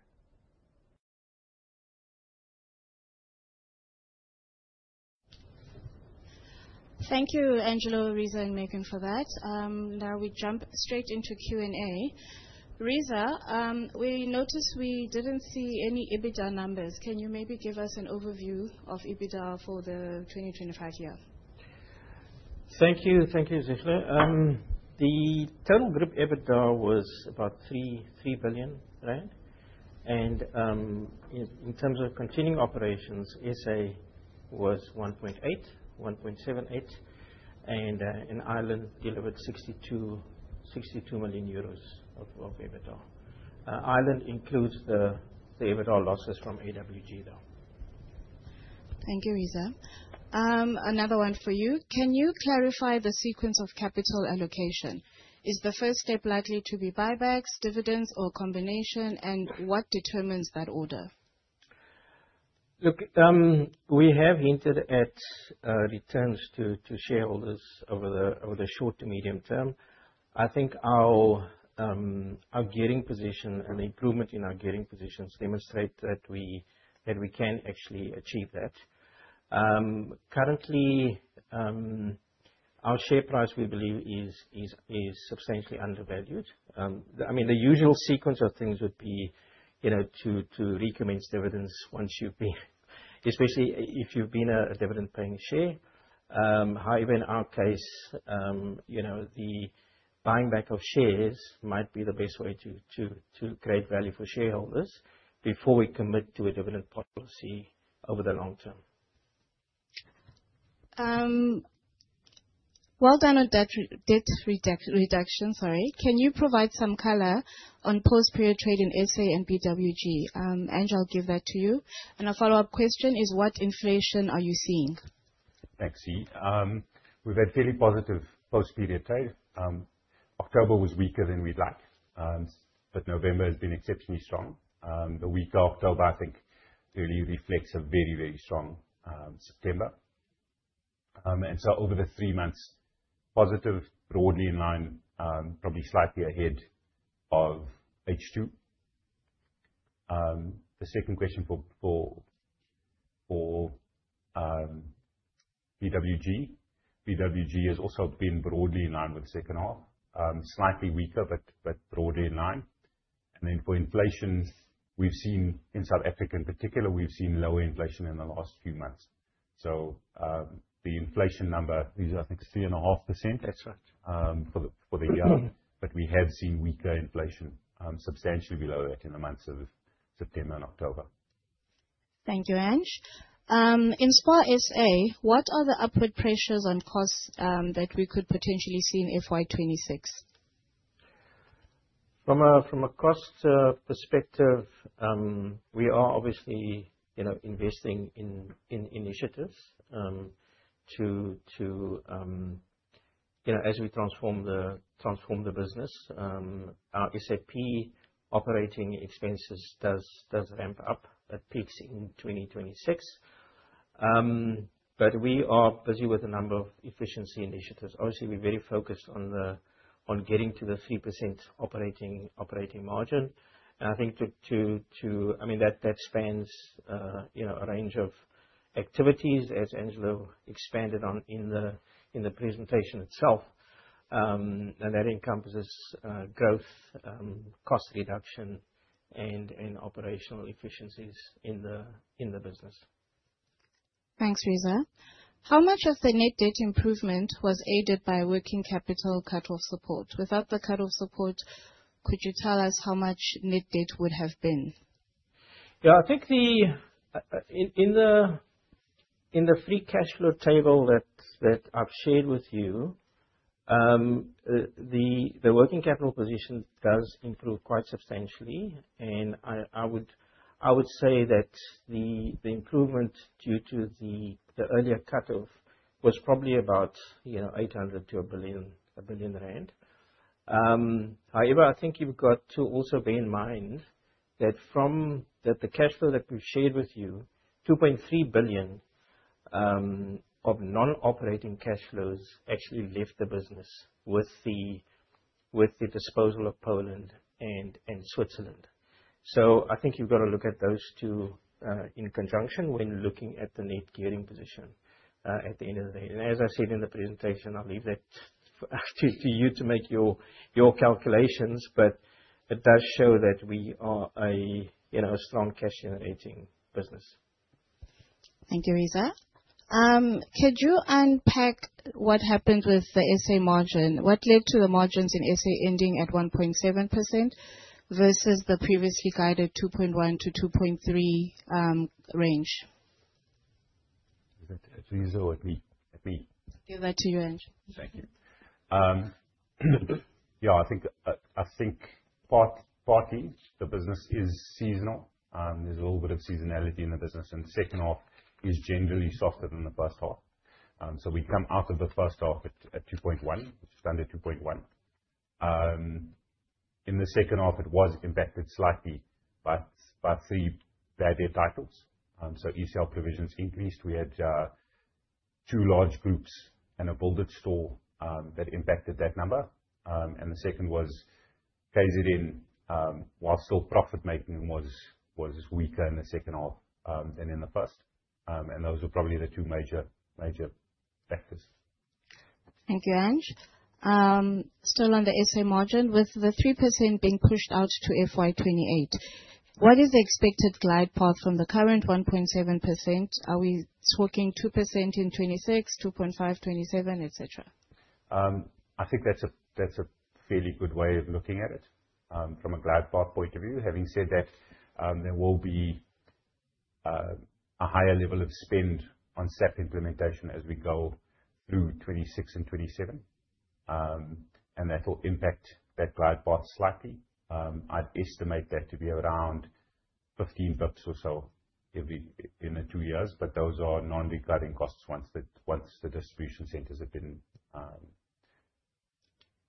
Thank you, Angelo, Reeza, and Megan for that. Now we jump straight into Q&A. Reeza, we noticed we didn't see any EBITDA numbers. Can you maybe give us an overview of EBITDA for the 2025 year? Thank you. Thank you, Reeza. The total group EBITDA was about 3 billion rand, and in terms of continuing operations, SA was 1.8, 1.78, and Ireland delivered 62 million euros of EBITDA. Ireland includes the EBITDA losses from AWG, though. Thank you, Reeza. Another one for you. Can you clarify the sequence of capital allocation? Is the first step likely to be buybacks, dividends, or a combination, and what determines that order? Look, we have hinted at returns to shareholders over the short to medium term. I think our gearing position and the improvement in our gearing positions demonstrate that we can actually achieve that. Currently, our share price, we believe, is substantially undervalued. I mean, the usual sequence of things would be to recommence dividends once you've been, especially if you've been a dividend-paying share. However, in our case, the buying back of shares might be the best way to create value for shareholders before we commit to a dividend policy over the long term. Done on debt reduction. Sorry. Can you provide some color on post-period trade in SA and BWG? Angelo will give that to you. A follow-up question is, what inflation are you seeing? Thanks, Zihle. We've had fairly positive post-period trade. October was weaker than we'd like, but November has been exceptionally strong. The week of October, I think, clearly reflects a very, very strong September, and so over the three months, positive, broadly in line, probably slightly ahead of H2. The second question for BWG, BWG has also been broadly in line with the second half, slightly weaker, but broadly in line, and then for inflation, we've seen in South Africa in particular, we've seen lower inflation in the last few months. So the inflation number, these are, I think, 3.5% for the year, but we have seen weaker inflation substantially below that in the months of September and October. Thank you, Ange. In SPAR SA, what are the upward pressures on costs that we could potentially see in FY26? From a cost perspective, we are obviously investing in initiatives to, as we transform the business, our SAP operating expenses does ramp up at peaks in 2026, but we are busy with a number of efficiency initiatives. Obviously, we're very focused on getting to the 3% operating margin, and I think, I mean, that spans a range of activities, as Angelo expanded on in the presentation itself, and that encompasses growth, cost reduction, and operational efficiencies in the business. Thanks, Reeza. How much of the net debt improvement was aided by working capital cut-off support? Without the cut-off support, could you tell us how much net debt would have been? Yeah, I think in the free cash flow table that I've shared with you, the working capital position does improve quite substantially. And I would say that the improvement due to the earlier cut-off was probably about 800 million - 1 billion rand. However, I think you've got to also bear in mind that the cash flow that we've shared with you, £2.3 billion of non-operating cash flows actually left the business with the disposal of Poland and Switzerland. So I think you've got to look at those two in conjunction when looking at the net gearing position at the end of the day. And as I said in the presentation, I'll leave that to you to make your calculations, but it does show that we are a strong cash-generating business. Thank you, Reeza. Could you unpack what happened with the SA margin? What led to the margins in SA ending at 1.7% versus the previously guided 2.1%-2.3% range? Reeza, or at me? Give that to you, Ange. Thank you. Yeah, I think partly the business is seasonal. There's a little bit of seasonality in the business. And the second half is generally softer than the first half. So we come out of the first half at 2.1, which is under 2.1. In the second half, it was impacted slightly by three bad retailers. So ECL provisions increased. We had two large groups and a Build it store that impacted that number. And the second was KZN, while still profit-making, was weaker in the second half than in the first. And those are probably the two major factors. Thank you, Ange. Still on the SA margin, with the 3% being pushed out to FY 2028, what is the expected glide path from the current 1.7%? Are we talking 2% in 2026, 2.5, 2027, etc.? I think that's a fairly good way of looking at it from a glide path point of view, having said that there will be a higher level of spend on SAP implementation as we go through 2026 and 2027, and that will impact that glide path slightly. I'd estimate that to be around R15 or so in the two years, but those are non-recurring costs once the distribution centers have been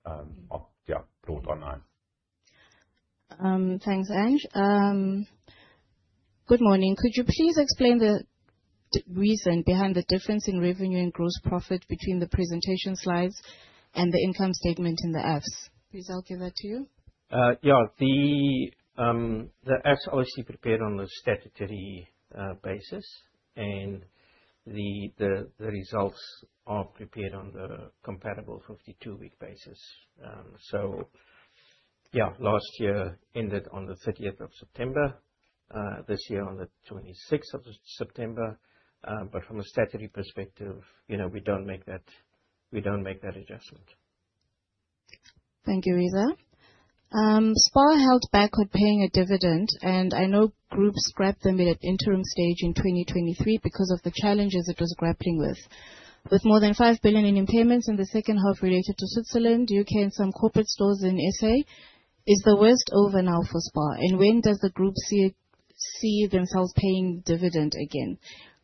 brought online. Thanks, Ange. Good morning. Could you please explain the reason behind the difference in revenue and gross profit between the presentation slides and the income statement in the AFS? Please, I'll give that to you. Yeah, the AFS obviously prepared on a statutory basis, and the results are prepared on the comparable 52-week basis. So yeah, last year ended on the 30th of September, this year on the 26th of September. But from a statutory perspective, we don't make that adjustment. Thank you, Reeza. SPAR held back with paying a dividend, and I know groups scrapped them at an interim stage in 2023 because of the challenges it was grappling with. With more than 5 billion in impairments in the second half related to Switzerland, the UK, and some corporate stores in SA, is the worst over now for SPAR? And when does the group see themselves paying dividend again?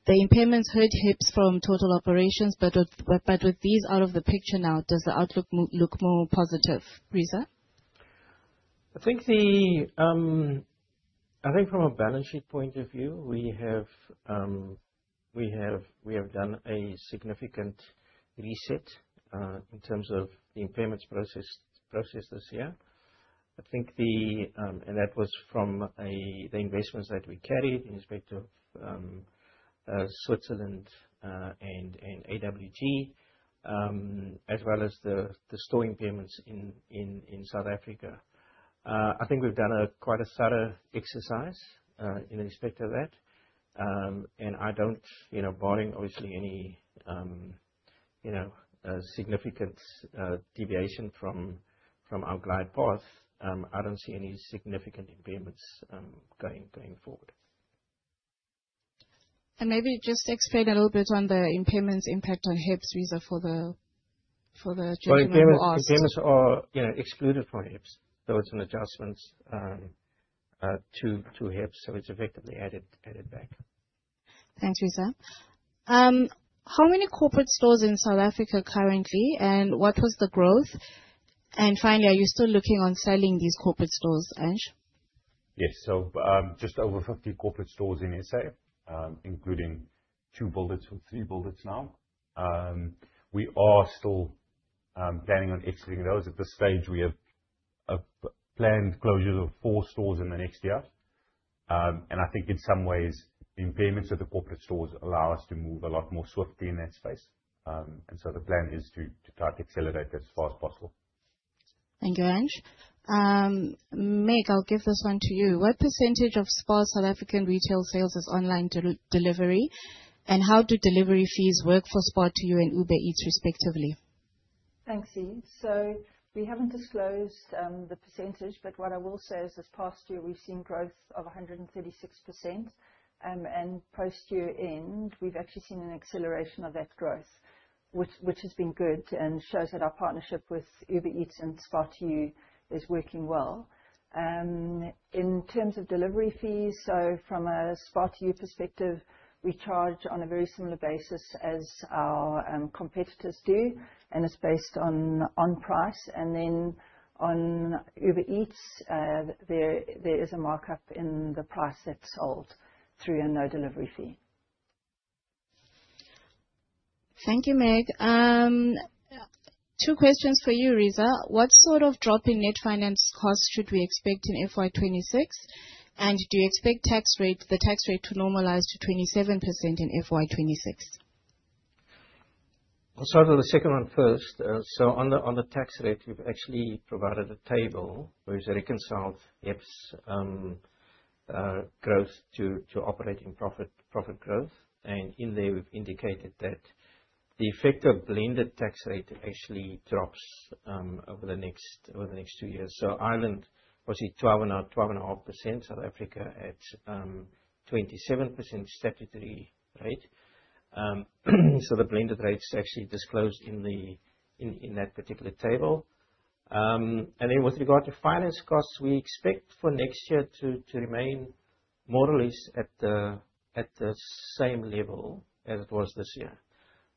The impairments hurt HEPS from total operations, but with these out of the picture now, does the outlook look more positive, Reeza? I think from a balance sheet point of view, we have done a significant reset in terms of the impairments process this year. I think, and that was from the investments that we carried in respect of Switzerland and AWG, as well as the store impairments in South Africa. I think we've done quite a thorough exercise in respect of that, and I don't, barring, obviously, any significant deviation from our glide path, I don't see any significant impairments going forward. Maybe just explain a little bit on the impairments impact on HEPS, Reeza, for the general costs. Impairments are excluded from HEPS, so it's an adjustment to HEPS, so it's effectively added back. Thanks, Reeza. How many corporate stores in South Africa currently, and what was the growth? And finally, are you still looking on selling these corporate stores, Ange? Yes, so just over 50 corporate stores in SA, including two Build its or three Build its now. We are still planning on exiting those. At this stage, we have planned closures of four stores in the next year. And I think in some ways, the impairments of the corporate stores allow us to move a lot more swiftly in that space. And so the plan is to try to accelerate that as far as possible. Thank you, Ange. Meg, I'll give this one to you. What percentage of SPAR's South African retail sales is online delivery, and how do delivery fees work for SPAR2U and Uber Eats, respectively? Thanks, Zihle We haven't disclosed the percentage, but what I will say is this past year, we've seen growth of 136%. Post-year end, we've actually seen an acceleration of that growth, which has been good and shows that our partnership with Uber Eats and SPAR2U is working well. In terms of delivery fees, from a SPAR2U perspective, we charge on a very similar basis as our competitors do, and it's based on price. Then on Uber Eats, there is a markup in the price that's sold through a no delivery fee. Thank you, Meg. Two questions for you, Reeza. What sort of drop in net finance costs should we expect in FY26? And do you expect the tax rate to normalise to 27% in FY26? I'll start with the second one first. So on the tax rate, we've actually provided a table where we've reconciled HEPS growth to operating profit growth. And in there, we've indicated that the effect of blended tax rate actually drops over the next two years. So Ireland, obviously, 12.5%, South Africa at 27% statutory rate. So the blended rate is actually disclosed in that particular table. And then with regard to finance costs, we expect for next year to remain more or less at the same level as it was this year.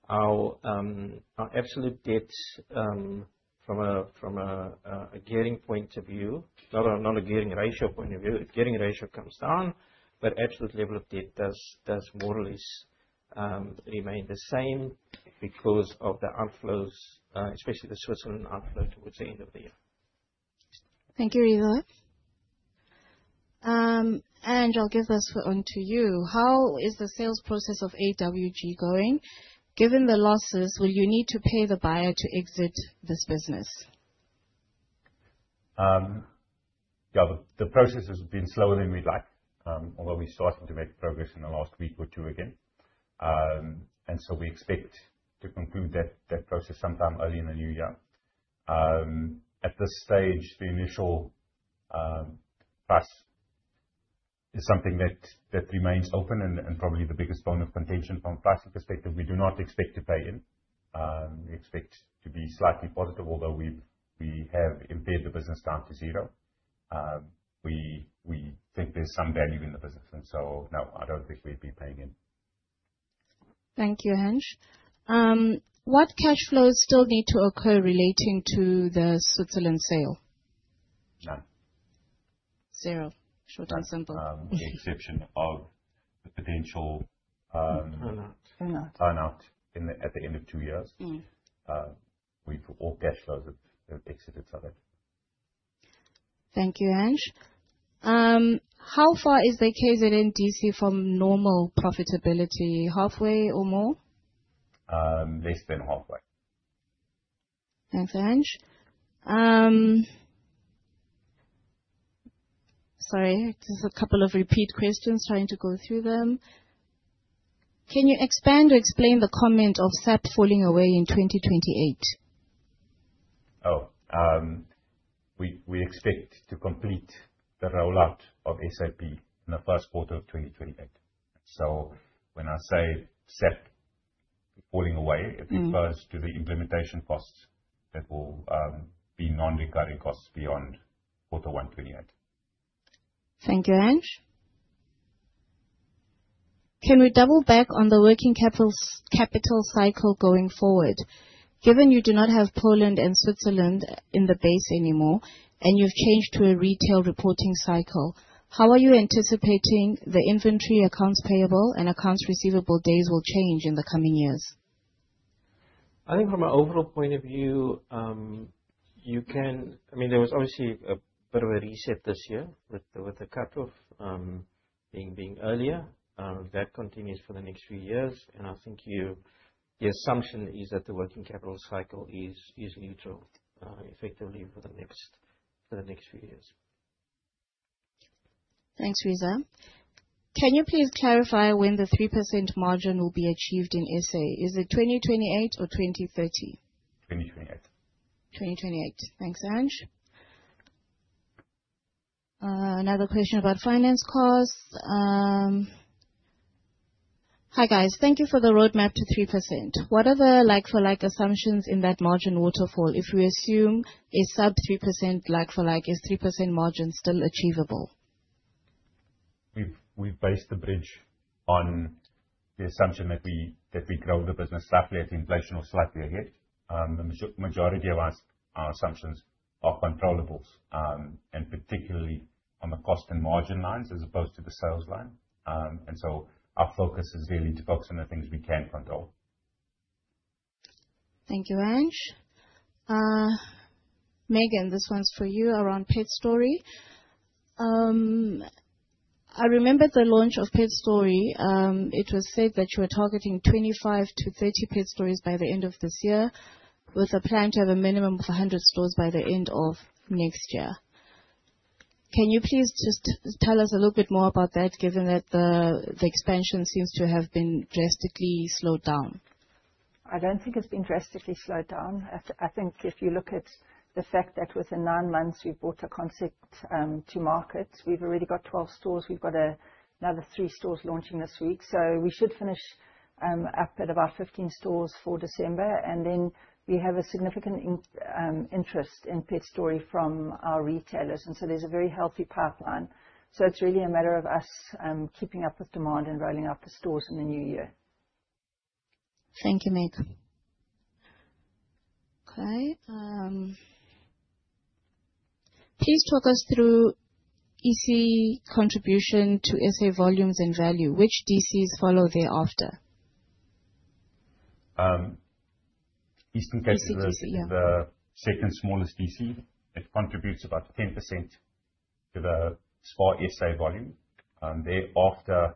Our absolute debt from a gearing point of view, not a gearing ratio point of view, if gearing ratio comes down, but absolute level of debt does more or less remain the same because of the outflows, especially the Switzerland outflow towards the end of the year. Thank you, Reeza. Ange, I'll give this one to you. How is the sales process of AWG going? Given the losses, will you need to pay the buyer to exit this business? Yeah, the process has been slower than we'd like, although we're starting to make progress in the last week or two again, and so we expect to conclude that process sometime early in the new year. At this stage, the initial price is something that remains open and probably the biggest point of contention from a pricing perspective. We do not expect to pay in. We expect to be slightly positive, although we have impaired the business down to zero. We think there's some value in the business, and so no, I don't think we'd be paying in. Thank you, Ange. What cash flows still need to occur relating to the Switzerland sale? None. Zero, short and simple. Except for the potential turnout at the end of two years, we've all cash flows have exited South Africa. Thank you, Ange. How far is the KZN DC from normal profitability, halfway or more? Less than halfway. Thanks, Ange. Sorry, just a couple of repeat questions, trying to go through them. Can you expand or explain the comment of SAP falling away in 2028? Oh, we expect to complete the rollout of SAP in the first quarter of 2028. So when I say SAP falling away, it refers to the implementation costs that will be non-recurring costs beyond Q1 28. Thank you, Ange. Can we double back on the working capital cycle going forward? Given you do not have Poland and Switzerland in the base anymore, and you've changed to a retail reporting cycle, how are you anticipating the inventory accounts payable and accounts receivable days will change in the coming years? I think from an overall point of view, you can, I mean, there was obviously a bit of a reset this year with the cut-off being earlier. That continues for the next few years, and I think the assumption is that the working capital cycle is neutral effectively for the next few years. Thanks, Reeza. Can you please clarify when the 3% margin will be achieved in SA? Is it 2028 or 2030? 2028. Thanks, Ange. Another question about finance costs. Hi, guys. Thank you for the roadmap to 3%. What are the like-for-like assumptions in that margin waterfall? If we assume a sub-3% like-for-like, is 3% margin still achievable? We've based the bridge on the assumption that we grow the business slightly at inflation or slightly ahead. The majority of our assumptions are controllables, and particularly on the cost and margin lines as opposed to the sales line, and so our focus is really to focus on the things we can control. Thank you, Ange. Megan, this one's for you around PetStori. I remembered the launch of PetStori. It was said that you were targeting 25-30 PetStori stores by the end of this year, with a plan to have a minimum of 100 stores by the end of next year. Can you please just tell us a little bit more about that, given that the expansion seems to have been drastically slowed down? I don't think it's been drastically slowed down. I think if you look at the fact that within nine months, we've brought a concept to market. We've already got 12 stores. We've got another three stores launching this week. So we should finish up at about 15 stores for December. And then we have a significant interest in PetStori from our retailers. And so there's a very healthy pipeline. So it's really a matter of us keeping up with demand and rolling up the stores in the new year. Thank you, Meg. Okay. Please talk us through EC contribution to SA volumes and value. Which DCs follow thereafter? Eastern Cape is the second smallest DC. It contributes about 10% to the SPAR SA volume. Thereafter,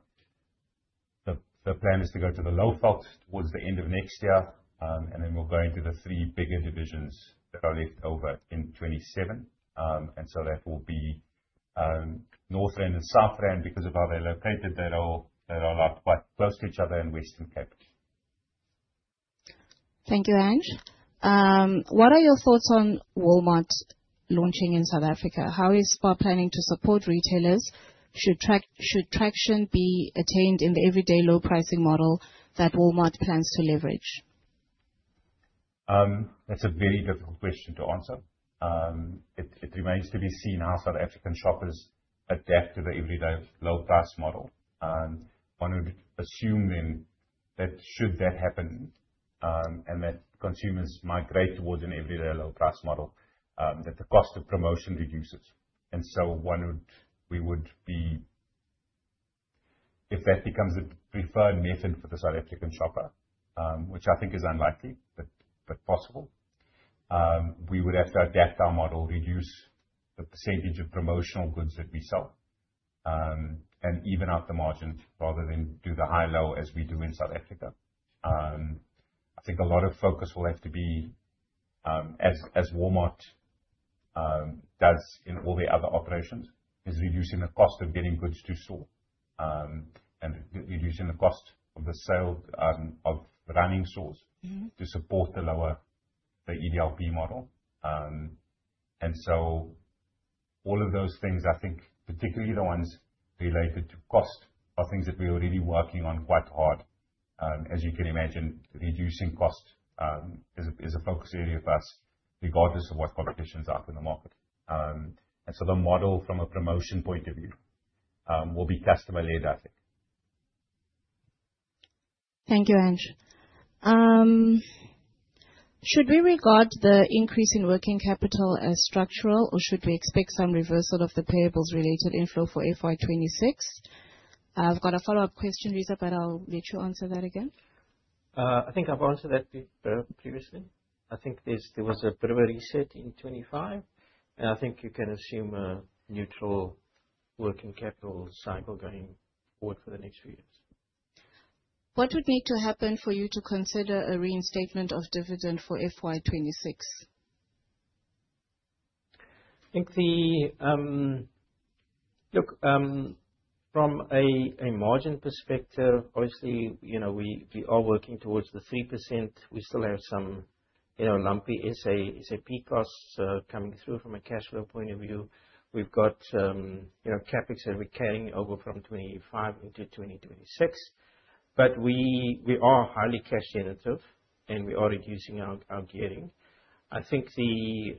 the plan is to go to the Lowveld towards the end of next year. And then we'll go into the three bigger divisions that are left over in 2027. And so that will be North Rand and South Rand because of how they're located. They're all quite close to each other in Western Cape. Thank you, Ange. What are your thoughts on Walmart launching in South Africa? How is SPAR planning to support retailers? Should traction be attained in the everyday low pricing model that Walmart plans to leverage? That's a very difficult question to answer. It remains to be seen how South African shoppers adapt to the everyday low price model. One would assume then that should that happen and that consumers migrate towards an everyday low price model, that the cost of promotion reduces, and so we would be, if that becomes a preferred method for the South African shopper, which I think is unlikely but possible, we would have to adapt our model, reduce the percentage of promotional goods that we sell, and even out the margins rather than do the high low as we do in South Africa. I think a lot of focus will have to be, as Walmart does in all the other operations, is reducing the cost of getting goods to store and reducing the cost of sales and running stores to support the lower EDLP model. And so all of those things, I think, particularly the ones related to cost are things that we're already working on quite hard. As you can imagine, reducing cost is a focus area for us, regardless of what competitors are up in the market. And so the model from a promotion point of view will be customer-led, I think. Thank you, Ange. Should we regard the increase in working capital as structural, or should we expect some reversal of the payables related inflow for FY26? I've got a follow-up question, Reeza, but I'll let you answer that again. I think I've answered that previously. I think there was a bit of a reset in 2025, and I think you can assume a neutral working capital cycle going forward for the next few years. What would need to happen for you to consider a reinstatement of dividend for FY26? I think the outlook, from a margin perspective, obviously, we are working towards the 3%. We still have some lumpy SAP costs coming through from a cash flow point of view. We've got CapEx that we're carrying over from 2025 into 2026. But we are highly cash-generative, and we are reducing our gearing. I think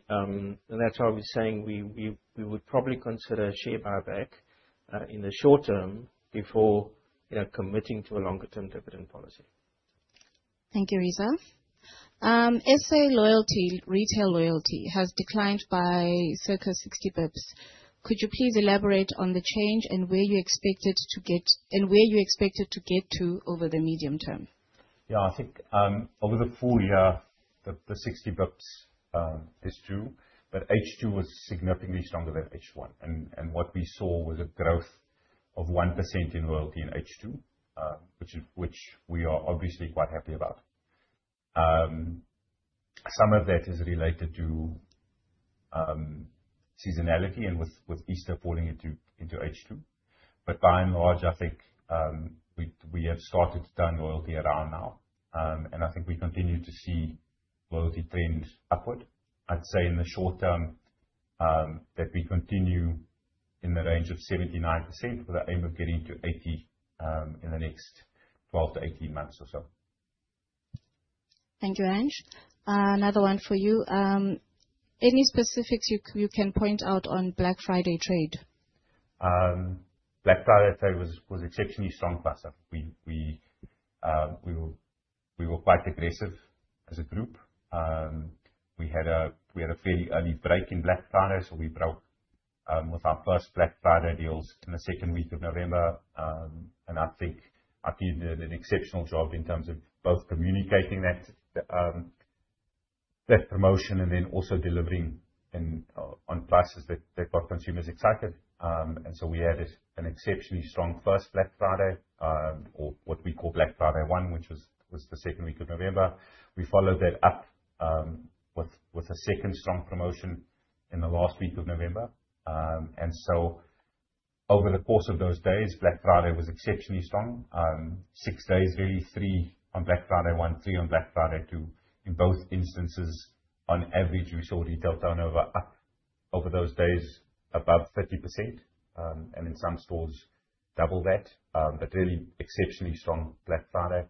that's why we're saying we would probably consider a share buyback in the short term before committing to a longer-term dividend policy. Thank you, Reeza. SA loyalty, retail loyalty, has declined by circa 60 basis points. Could you please elaborate on the change and where you expected to get and where you expected to get to over the medium term? Yeah, I think over the full year, the 60 basis points is true, but H2 was significantly stronger than H1, and what we saw was a growth of 1% in loyalty in H2, which we are obviously quite happy about. Some of that is related to seasonality and with Easter falling into H2, but by and large, I think we have started to turn loyalty around now, and I think we continue to see loyalty trend upward. I'd say in the short term that we continue in the range of 79% with the aim of getting to 80% in the next 12 to 18 months or so. Thank you, Ange. Another one for you. Any specifics you can point out on Black Friday trade? Black Friday trade was exceptionally strong for us. We were quite aggressive as a group. We had a fairly early break in Black Friday, so we broke with our first Black Friday deals in the second week of November, and I think you did an exceptional job in terms of both communicating that promotion and then also delivering on prices that got consumers excited. We had an exceptionally strong first Black Friday, or what we call Black Friday 1, which was the second week of November. We followed that up with a second strong promotion in the last week of November, and so over the course of those days, Black Friday was exceptionally strong: six days, really, three on Black Friday 1, three on Black Friday 2. In both instances, on average, we saw retail turnover up over those days above 30%, and in some stores, double that, but really exceptionally strong Black Friday.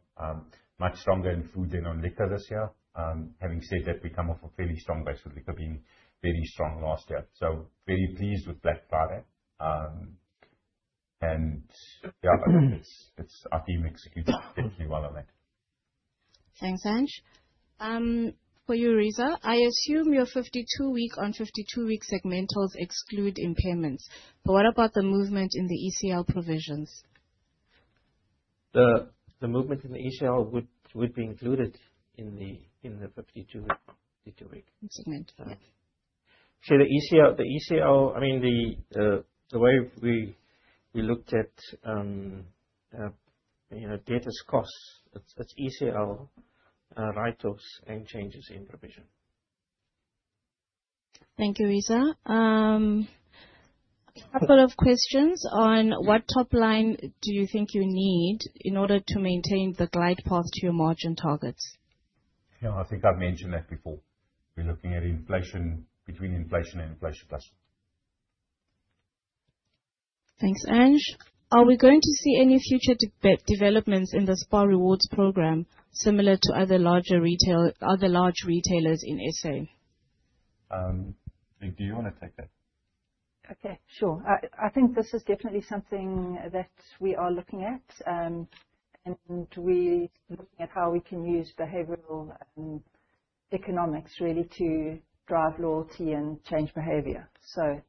Much stronger in food than on liquor this year, having said that we come off a fairly strong base, but liquor being very strong last year, so very pleased with Black Friday, and yeah, I think it's our team executed exceptionally well on that. Thanks, Ange. For you, Reeza, I assume your 52-week on 52-week segmentals exclude impairments. But what about the movement in the ECL provisions? The movement in the ECL would be included in the 52-week. Segment. Yeah. Actually, the ECL, I mean, the way we looked at that as costs, it's ECL write-offs and changes in provision. Thank you, Reeza. A couple of questions on what top line do you think you need in order to maintain the glide path to your margin targets? Yeah, I think I've mentioned that before. We're looking at inflation between inflation and inflation plus. Thanks, Ange. Are we going to see any future developments in the SPAR Rewards program similar to other large retailers in SA? I think you want to take that. Okay, sure. I think this is definitely something that we are looking at, and we're looking at how we can use behavioral economics really to drive loyalty and change behavior. So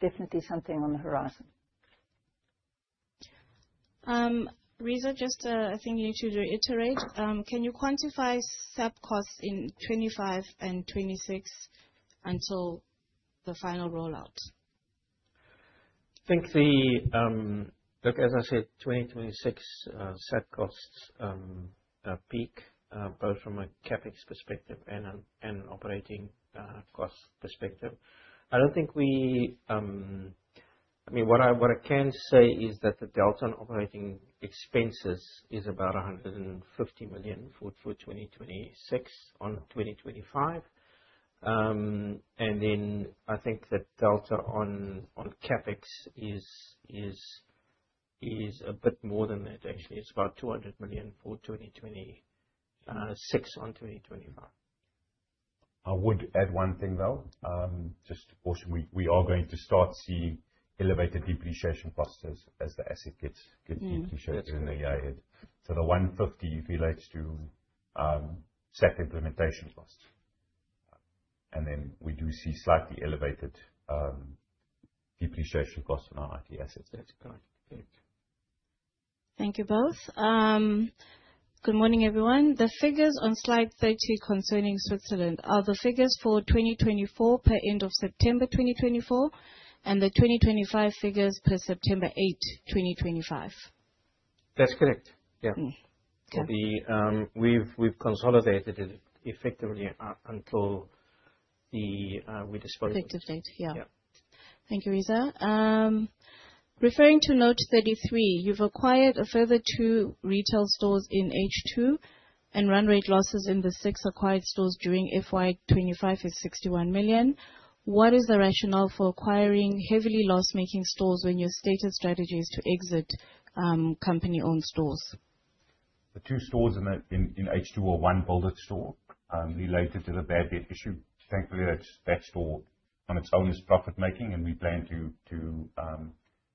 definitely something on the horizon. Reeza, just a thing you need to reiterate. Can you quantify SAP costs in 2025 and 2026 until the final rollout? I think the, look, as I said, 2026 SAP costs peak, both from a CapEx perspective and an operating cost perspective. I don't think we, I mean, what I can say is that the delta on operating expenses is about 150 million for 2026 on 2025. And then I think that delta on CapEx is a bit more than that, actually. It's about 200 million for 2026 on 2025. I would add one thing, though, just to push. We are going to start seeing elevated depreciation costs as the asset gets depreciated in the year. So the 150 relates to SAP implementation costs. And then we do see slightly elevated depreciation costs on our IT assets. That's correct. Thank you both. Good morning, everyone. The figures on slide 32 concerning Switzerland are the figures for 2024 per end of September 2024 and the 2025 figures per September 8, 2025. That's correct. Yeah. We've consolidated it effectively until we displayed. Effective date. Yeah. Thank you, Reeza. Referring to note 33, you've acquired a further two retail stores in H2 and run rate losses in the six acquired stores during FY25 is 61 million. What is the rationale for acquiring heavily loss-making stores when your stated strategy is to exit company-owned stores? The two stores in H2 are one older store related to the bad debt issue. Thankfully, that store on its own is profit-making, and we plan to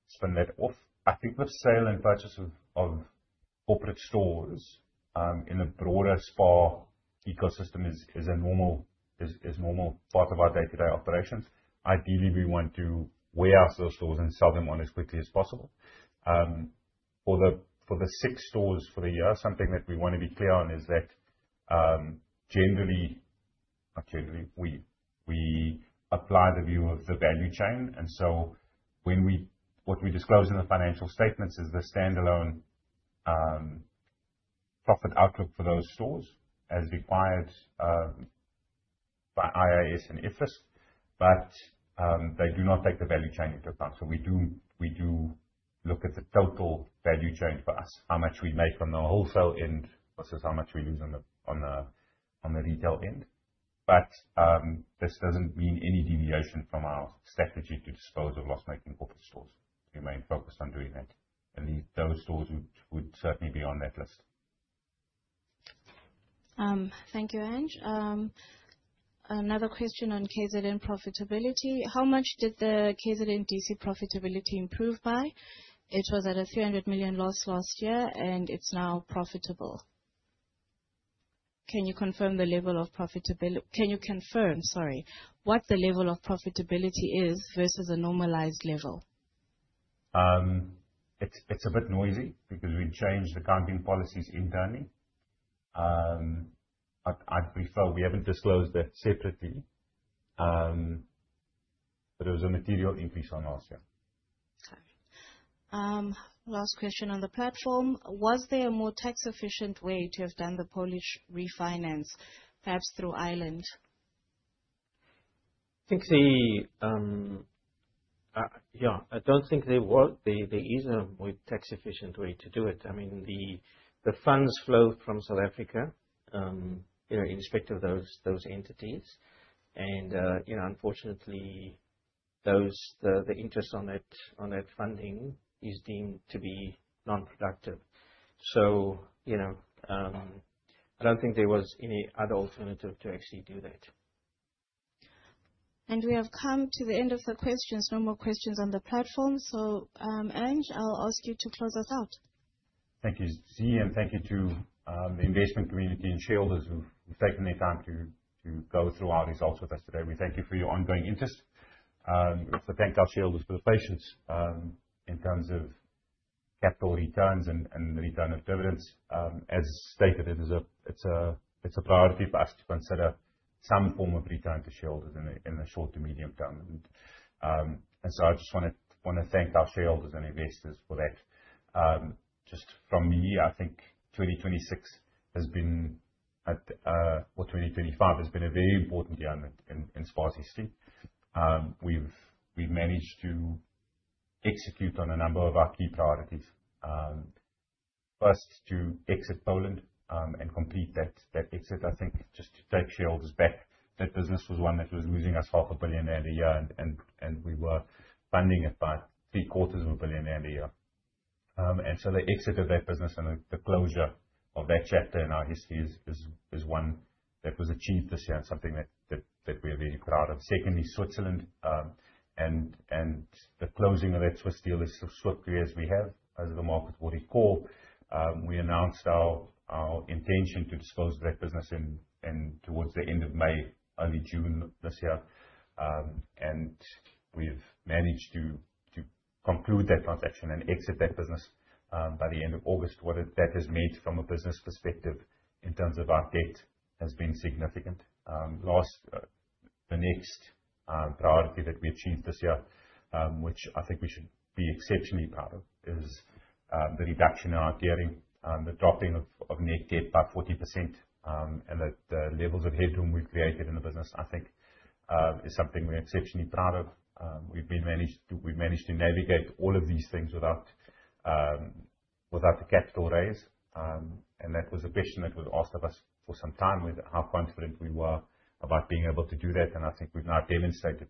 spin that off. I think the sale and purchase of corporate stores in a broader SPAR ecosystem is a normal part of our day-to-day operations. Ideally, we want to turn over those stores and sell them on as quickly as possible. For the six stores for the year, something that we want to be clear on is that generally, not generally, we apply the view of the value chain. And so what we disclose in the financial statements is the standalone profit outlook for those stores as required by IAS and IFRS, but they do not take the value chain into account. So we do look at the total value chain for us, how much we make on the wholesale end versus how much we lose on the retail end. But this doesn't mean any deviation from our strategy to dispose of loss-making corporate stores. We remain focused on doing that. And those stores would certainly be on that list. Thank you, Ange. Another question on KZN profitability. How much did the KZN DC profitability improve by? It was at a 300 million loss last year, and it's now profitable. Can you confirm the level of profitability? Can you confirm, sorry, what the level of profitability is versus a normalized level? It's a bit noisy because we've changed the accounting policies internally. I'd prefer we haven't disclosed that separately, but it was a material increase on us, yeah. Sorry. Last question on the platform. Was there a more tax-efficient way to have done the Polish refinance, perhaps through Ireland? I think I don't think there is a more tax-efficient way to do it. I mean, the funds flow from South Africa in respect of those entities. Unfortunately, the interest on that funding is deemed to be non-productive. So I don't think there was any other alternative to actually do that. We have come to the end of the questions, no more questions on the platform, so Ange, I'll ask you to close us out. Thank you, Z, and thank you to the investment community and shareholders who've taken their time to go through our results with us today. We thank you for your ongoing interest. We also thank our shareholders for the patience in terms of capital returns and the return of dividends. As stated, it's a priority for us to consider some form of return to shareholders in the short to medium term. And so I just want to thank our shareholders and investors for that. Just from me, I think 2026 has been, or 2025 has been a very important year in SPAR's history. We've managed to execute on a number of our key priorities. First, to exit Poland and complete that exit, I think, just to take shareholders back. That business was one that was losing us 500 million rand a year, and we were funding it by 750 million rand a year. And so the exit of that business and the closure of that chapter in our history is one that was achieved this year and something that we are very proud of. Secondly, Switzerland and the closing of that Swiss deal is as swiftly as we have, as the market would recall. We announced our intention to dispose of that business towards the end of May, early June this year. And we've managed to conclude that transaction and exit that business by the end of August. What that has made from a business perspective in terms of our debt has been significant. The next priority that we achieved this year, which I think we should be exceptionally proud of, is the reduction in our gearing, the dropping of net debt by 40%, and the levels of headroom we've created in the business. I think, is something we're exceptionally proud of. We've managed to navigate all of these things without a capital raise. And that was a question that was asked of us for some time with how confident we were about being able to do that. And I think we've now demonstrated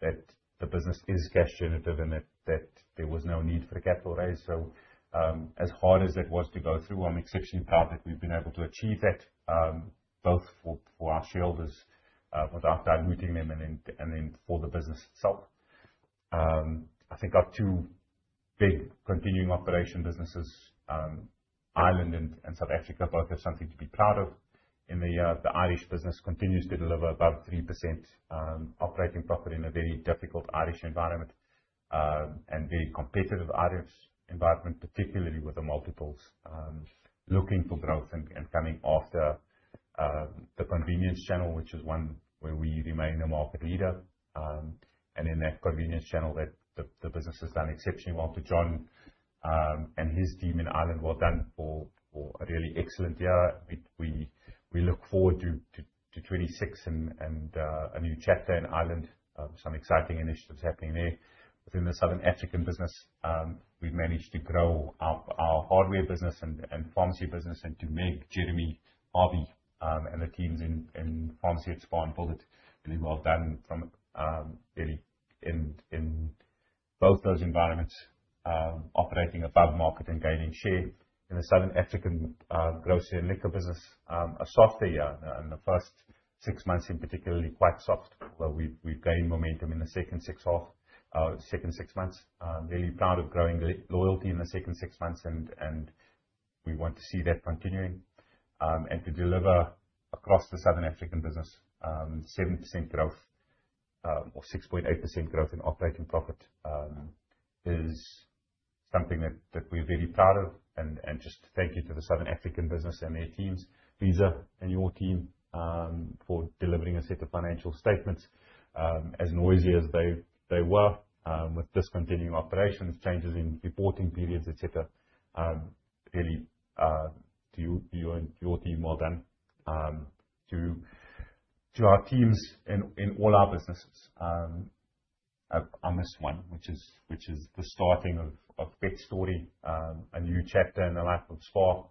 that the business is cash-generative and that there was no need for a capital raise. So as hard as it was to go through, I'm exceptionally proud that we've been able to achieve that both for our shareholders without diluting them and then for the business itself. I think our two big continuing operation businesses, Ireland and South Africa, both have something to be proud of. And the Irish business continues to deliver above 3% operating profit in a very difficult Irish environment and very competitive Irish environment, particularly with the multiples looking for growth and coming after the convenience channel, which is one where we remain a market leader. And in that convenience channel, the business has done exceptionally well. To John and his team in Ireland, well done for a really excellent year. We look forward to 2026 and a new chapter in Ireland, some exciting initiatives happening there. Within the Southern African business, we've managed to grow our hardware business and pharmacy business and to make Jeremy Harvey and the teams in Pharmacy at SPAR and Build it really well done from really in both those environments, operating above market and gaining share. In the Southern African grocery and liquor business, a soft year. In the first six months, in particular, quite soft, but we've gained momentum in the second six months. Really proud of growing loyalty in the second six months, and we want to see that continuing, and to deliver across the Southern African business, 7% growth or 6.8% growth in operating profit is something that we're very proud of, and just to thank you to the Southern African business and their teams, Reeza and your team, for delivering a set of financial statements. As noisy as they were with discontinuing operations, changes in reporting periods, etc., really to you and your team, well done. To our teams in all our businesses, I miss one, which is the starting of PetStori, a new chapter in the life of SPAR,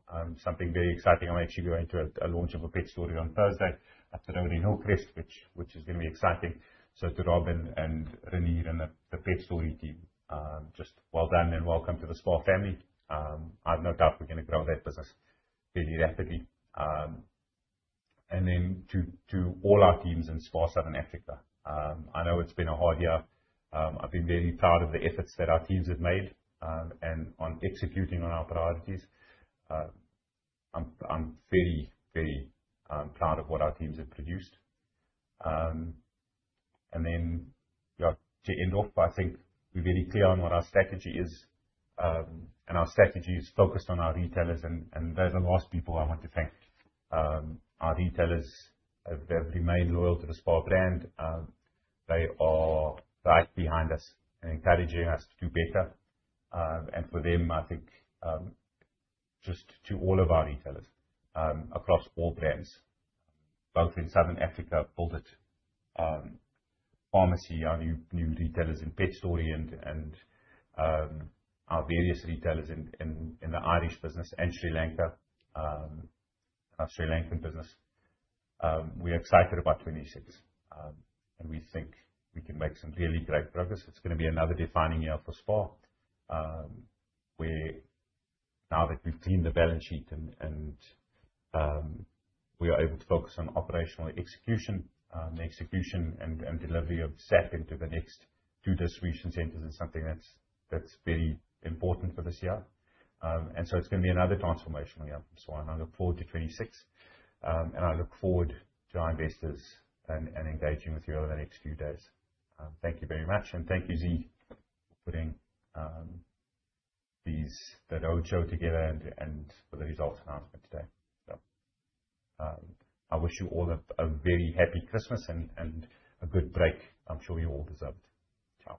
something very exciting. I'm actually going to a launch of a PetStori on Thursday at the Hillcrest, which is going to be exciting. So to Robyn and Renier and the PetStori team, just well done and welcome to the SPAR family. I have no doubt we're going to grow that business fairly rapidly. And then to all our teams in SPAR Southern Africa. I know it's been a hard year. I've been very proud of the efforts that our teams have made and on executing on our priorities. I'm very, very proud of what our teams have produced. And then to end off, I think we're very clear on what our strategy is. And our strategy is focused on our retailers. And those are the last people I want to thank. Our retailers, they've remained loyal to the SPAR brand. They are right behind us and encouraging us to do better, and for them, I think, just to all of our retailers across all brands, both in Southern Africa, Build it, pharmacy, our new retailers in PetStori, and our various retailers in the Irish business and Sri Lanka, our Sri Lankan business. We're excited about 2026, and we think we can make some really great progress. It's going to be another defining year for SPAR where now that we've cleaned the balance sheet and we are able to focus on operational execution and delivery of SAP into the next two distribution centers is something that's very important for this year. It's going to be another transformational year. I look forward to 2026, and I look forward to our investors and engaging with you over the next few days. Thank you very much. Thank you, Reeza, for putting the whole show together and for the results announcement today. I wish you all a very happy Christmas and a good break. I'm sure you all deserve it. Ciao.